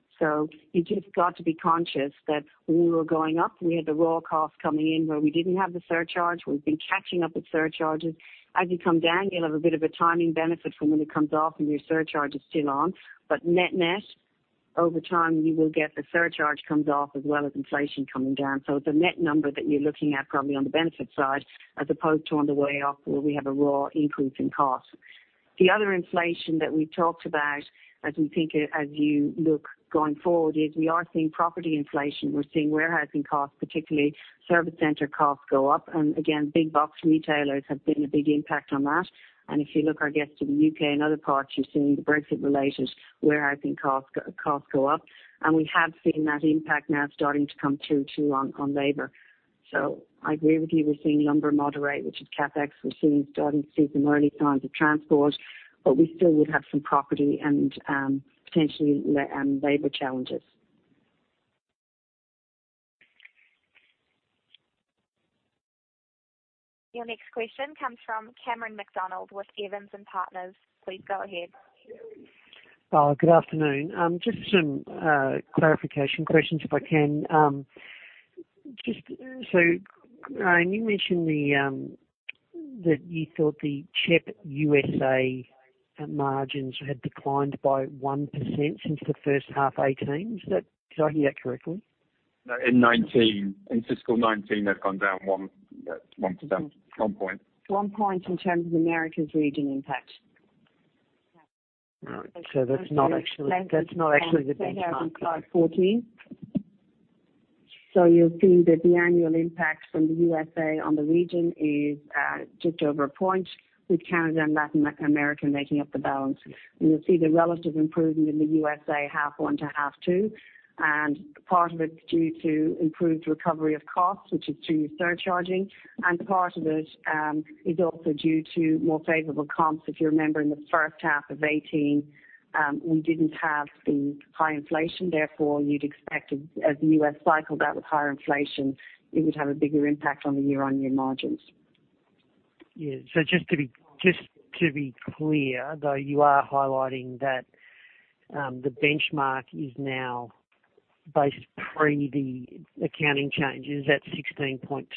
You've just got to be conscious that when we were going up, we had the raw cost coming in where we didn't have the surcharge. We've been catching up with surcharges. As you come down, you'll have a bit of a timing benefit from when it comes off and your surcharge is still on. Net, over time, you will get the surcharge comes off as well as inflation coming down. It's a net lumber that you're looking at probably on the benefit side as opposed to on the way up where we have a raw increase in cost. The other inflation that we talked about as you look going forward is we are seeing property inflation. We're seeing warehousing costs, particularly service center costs go up. Again, big box retailers have been a big impact on that. If you look, I guess, to the U.K. and other parts, you're seeing the Brexit-related warehousing costs go up. We have seen that impact now starting to come through too on labor. I agree with you. We're seeing lumber moderate, which is CapEx. We're starting to see some early signs of transport, but we still would have some property and potentially labor challenges. Your next question comes from Cameron McDonald with Evans and Partners. Please go ahead. Good afternoon. Just some clarification questions, if I can. Graham, you mentioned that you thought the CHEP USA margins had declined by 1% since the first half 2018. Did I hear that correctly? In 2019, in fiscal 2019, they've gone down one point. One point in terms of Americas region impact. Right. That's not actually the benchmark. 2005/2014. You'll see that the annual impact from the USA on the region is just over a point, with Canada and Latin America making up the balance. You'll see the relative improvement in the USA half one to half two. Part of it's due to improved recovery of costs, which is through surcharging, and part of it is also due to more favorable comps. If you remember in the first half of 2018, we didn't have the high inflation, therefore you'd expect as the U.S. cycled out with higher inflation, it would have a bigger impact on the year-on-year margins. Yeah. Just to be clear, though, you are highlighting that the benchmark is now based pre the accounting changes at 16.2%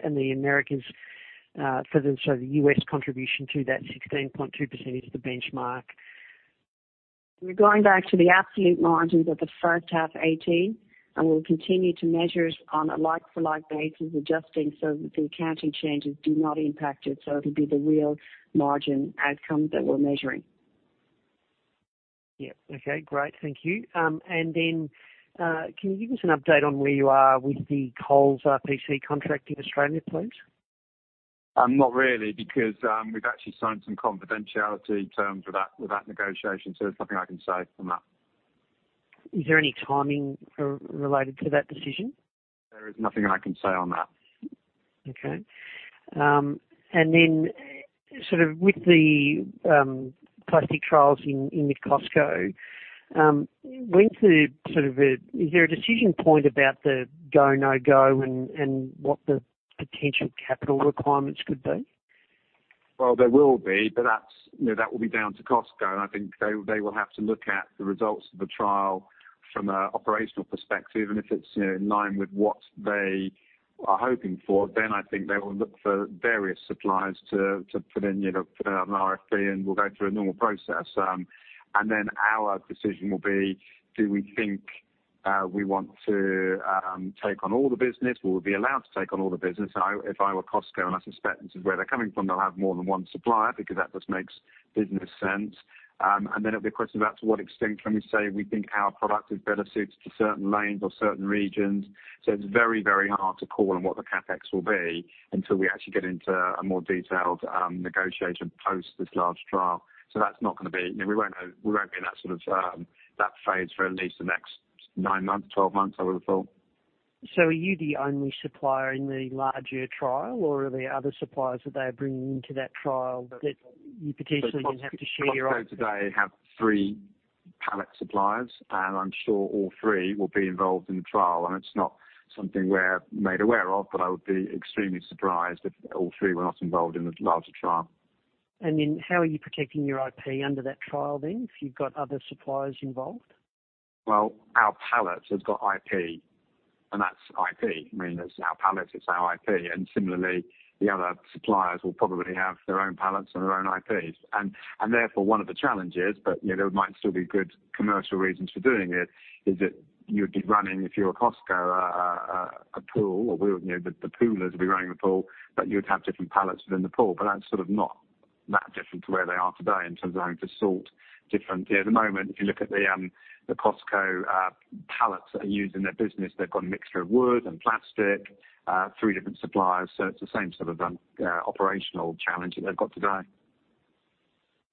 and the Americans, so the U.S. contribution to that 16.2% is the benchmark. We're going back to the absolute margins of the first half 2018, and we'll continue to measure it on a like for like basis, adjusting so that the accounting changes do not impact it. It'll be the real margin outcome that we're measuring. Yeah. Okay, great. Thank you. Can you give us an update on where you are with the Coles RPC contract in Australia, please? Not really, because we've actually signed some confidentiality terms with that negotiation. There's nothing I can say on that. Is there any timing related to that decision? There is nothing I can say on that. Okay. Then, sort of with the plastic trials in with Costco, is there a decision point about the go, no go and what the potential capital requirements could be? Well, there will be, but that will be down to Costco, and I think they will have to look at the results of the trial from an operational perspective. If it's in line with what they are hoping for, then I think they will look for various suppliers to put in an RFP and we'll go through a normal process. Then our decision will be, do we think we want to take on all the business? Will we be allowed to take on all the business? If I were Costco, and I suspect where they're coming from they'll have more than one supplier, because that just makes business sense. Then it'll be a question about to what extent can we say we think our product is better suited to certain lanes or certain regions. It's very hard to call on what the CapEx will be until we actually get into a more detailed negotiation post this large trial. We won't be in that phase for at least the next nine months, 12 months, I would have thought. Are you the only supplier in the larger trial or are there other suppliers that they are bringing into that trial that you potentially would have to share? Costco today have 3 pallet suppliers, and I'm sure all 3 will be involved in the trial. It's not something we're made aware of, but I would be extremely surprised if all 3 were not involved in the larger trial. How are you protecting your IP under that trial then, if you've got other suppliers involved? Well, our pallets have got IP, and that's IP. I mean, it's our pallets, it's our IP. Similarly, the other suppliers will probably have their own pallets and their own IPs. Therefore, one of the challenges, but there might still be good commercial reasons for doing it, is that you'd be running, if you're Costco, a pool or the poolers will be running the pool, but you'd have different pallets within the pool. That's sort of not that different to where they are today in terms of having to sort different At the moment, if you look at the Costco pallets that are used in their business, they've got a mixture of wood and plastic, three different suppliers. It's the same sort of operational challenge that they've got today.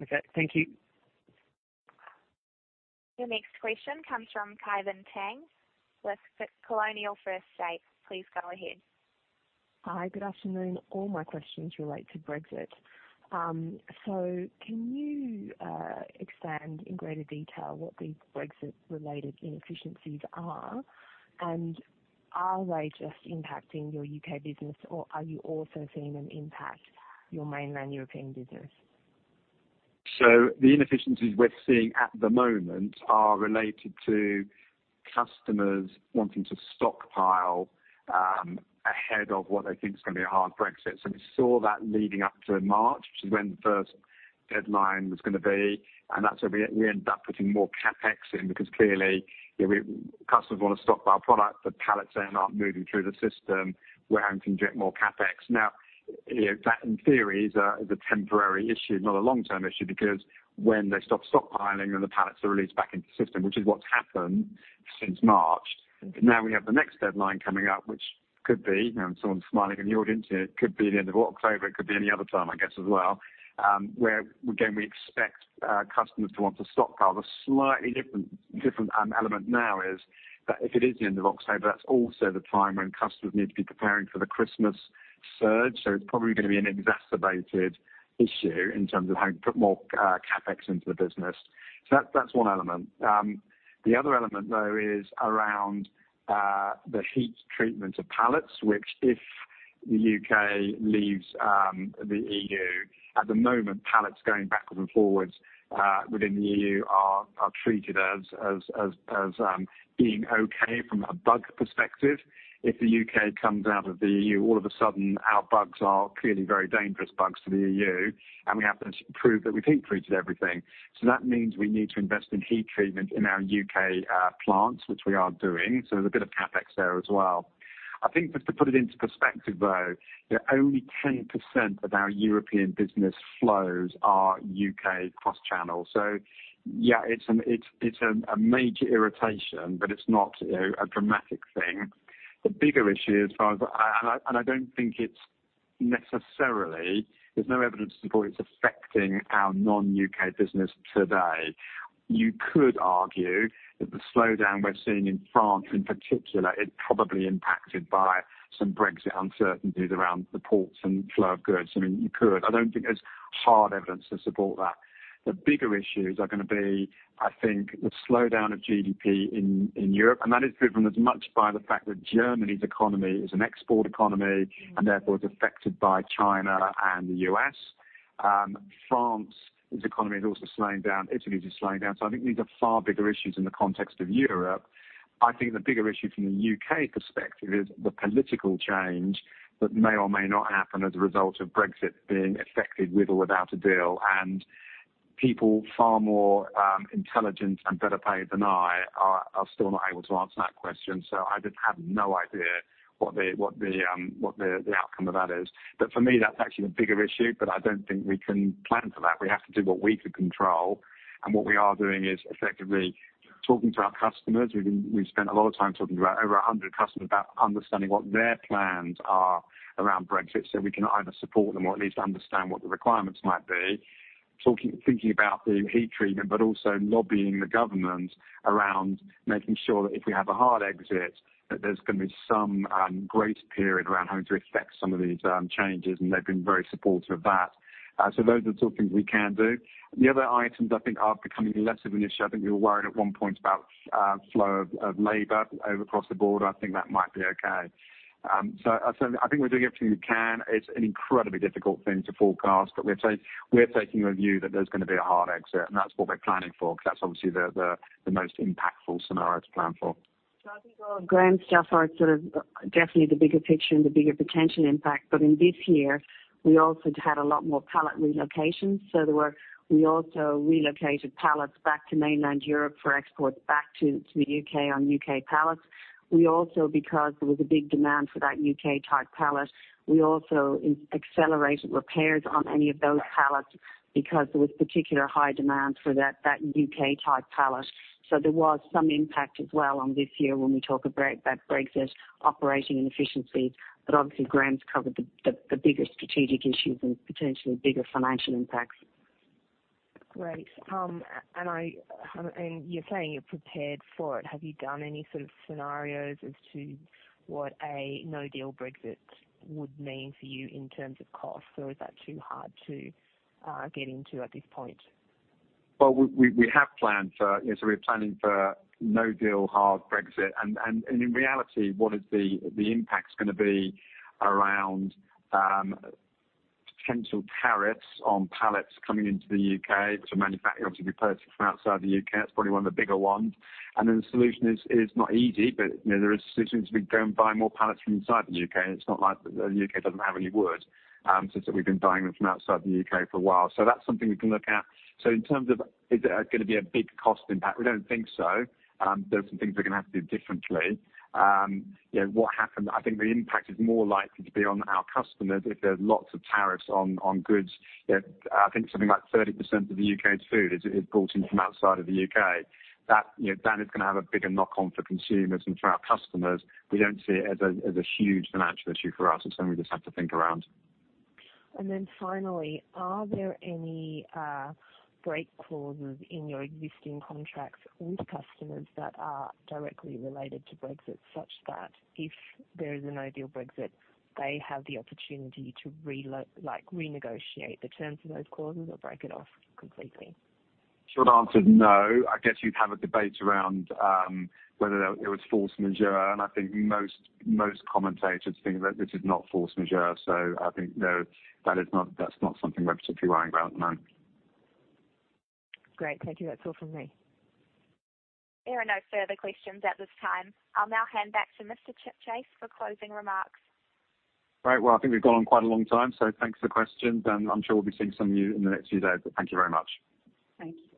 Okay. Thank you. Your next question comes from Ky Van Tang with Colonial First State. Please go ahead. Hi. Good afternoon. All my questions relate to Brexit. Can you expand in greater detail what these Brexit-related inefficiencies are? Are they just impacting your U.K. business or are you also seeing them impact your mainland European business? The inefficiencies we're seeing at the moment are related to customers wanting to stockpile ahead of what they think is going to be a hard Brexit. We saw that leading up to March, which is when the first deadline was going to be. That's where we end up putting more CapEx in because clearly customers want to stockpile product, but pallets then aren't moving through the system. We're having to inject more CapEx. That in theory is a temporary issue, not a long-term issue, because when they stop stockpiling, then the pallets are released back into the system, which is what's happened since March. We have the next deadline coming up. Could be, and someone's smiling in the audience here. It could be the end of October, it could be any other time I guess as well, where, again, we expect customers to want to stockpile. The slightly different element now is that if it is the end of October, that's also the time when customers need to be preparing for the Christmas surge. It's probably going to be an exacerbated issue in terms of having to put more CapEx into the business. That's one element. The other element, though, is around the heat treatment of pallets, which if the U.K. leaves the E.U., at the moment, pallets going backwards and forwards within the E.U. are treated as being okay from a bug perspective. If the U.K. comes out of the E.U., all of a sudden our bugs are clearly very dangerous bugs to the E.U., and we have to prove that we've heat treated everything. That means we need to invest in heat treatment in our U.K. plants, which we are doing. There's a bit of CapEx there as well. I think just to put it into perspective, though, that only 10% of our European business flows are U.K. cross-channel. Yeah, it's a major irritation, but it's not a dramatic thing. The bigger issue, and I don't think it's necessarily, there's no evidence to support it's affecting our non-U.K. business today. You could argue that the slowdown we're seeing in France in particular is probably impacted by some Brexit uncertainties around the ports and flow of goods. I mean, you could. I don't think there's hard evidence to support that. The bigger issues are going to be, I think, the slowdown of GDP in Europe. That is driven as much by the fact that Germany's economy is an export economy and therefore it's affected by China and the U.S. France's economy is also slowing down. Italy's is slowing down. I think these are far bigger issues in the context of Europe. I think the bigger issue from the U.K. perspective is the political change that may or may not happen as a result of Brexit being effected with or without a deal. People far more intelligent and better paid than I are still not able to answer that question. I just have no idea what the outcome of that is. For me, that's actually the bigger issue. I don't think we can plan for that. We have to do what we can control. What we are doing is effectively talking to our customers. We've spent a lot of time talking to over 100 customers about understanding what their plans are around Brexit so we can either support them or at least understand what the requirements might be. Thinking about doing heat treatment, but also lobbying the government around making sure that if we have a hard exit, that there's going to be some grace period around having to effect some of these changes, and they've been very supportive of that. Those are the sort of things we can do. The other items I think are becoming less of an issue. I think we were worried at one point about flow of labor across the border. I think that might be okay. I think we're doing everything we can. It's an incredibly difficult thing to forecast, but we're taking the view that there's going to be a hard exit, and that's what we're planning for because that's obviously the most impactful scenario to plan for. I think all of Graham's stuff are sort of definitely the bigger picture and the bigger potential impact. In this year, we also had a lot more pallet relocations. We also relocated pallets back to mainland Europe for exports back to the U.K. on U.K. pallets. We also, because there was a big demand for that U.K.-type pallet, we also accelerated repairs on any of those pallets because there was particular high demand for that U.K.-type pallet. There was some impact as well on this year when we talk about Brexit operating inefficiencies. Obviously Graham's covered the bigger strategic issues and potentially bigger financial impacts. Great. You're saying you're prepared for it. Have you done any sort of scenarios as to what a no-deal Brexit would mean for you in terms of cost? Is that too hard to get into at this point? Well, we're planning for no-deal hard Brexit. In reality, what is the impact going to be around potential tariffs on pallets coming into the U.K. to manufacture, obviously, if you're purchasing from outside the U.K.? That's probably one of the bigger ones. The solution is not easy, but there is solutions. We go and buy more pallets from inside the U.K., and it's not like the U.K. doesn't have any wood. It's that we've been buying them from outside the U.K. for a while. That's something we can look at. In terms of is it going to be a big cost impact? We don't think so. There are some things we're going to have to do differently. I think the impact is more likely to be on our customers if there's lots of tariffs on goods. I think something like 30% of the U.K.'s food is brought in from outside of the U.K. That is going to have a bigger knock-on for consumers and for our customers. We don't see it as a huge financial issue for us. It's something we just have to think around. Finally, are there any break clauses in your existing contracts with customers that are directly related to Brexit such that if there is no-deal Brexit, they have the opportunity to renegotiate the terms of those clauses or break it off completely? Short answer is no. I guess you'd have a debate around whether it was force majeure, and I think most commentators think that this is not force majeure. I think no, that's not something we're particularly worrying about at the moment. Great. Thank you. That's all from me. There are no further questions at this time. I'll now hand back to Mr. Chipchase for closing remarks. Right. Well, I think we've gone on quite a long time. Thanks for the questions. I'm sure we'll be seeing some of you in the next few days. Thank you very much. Thank you.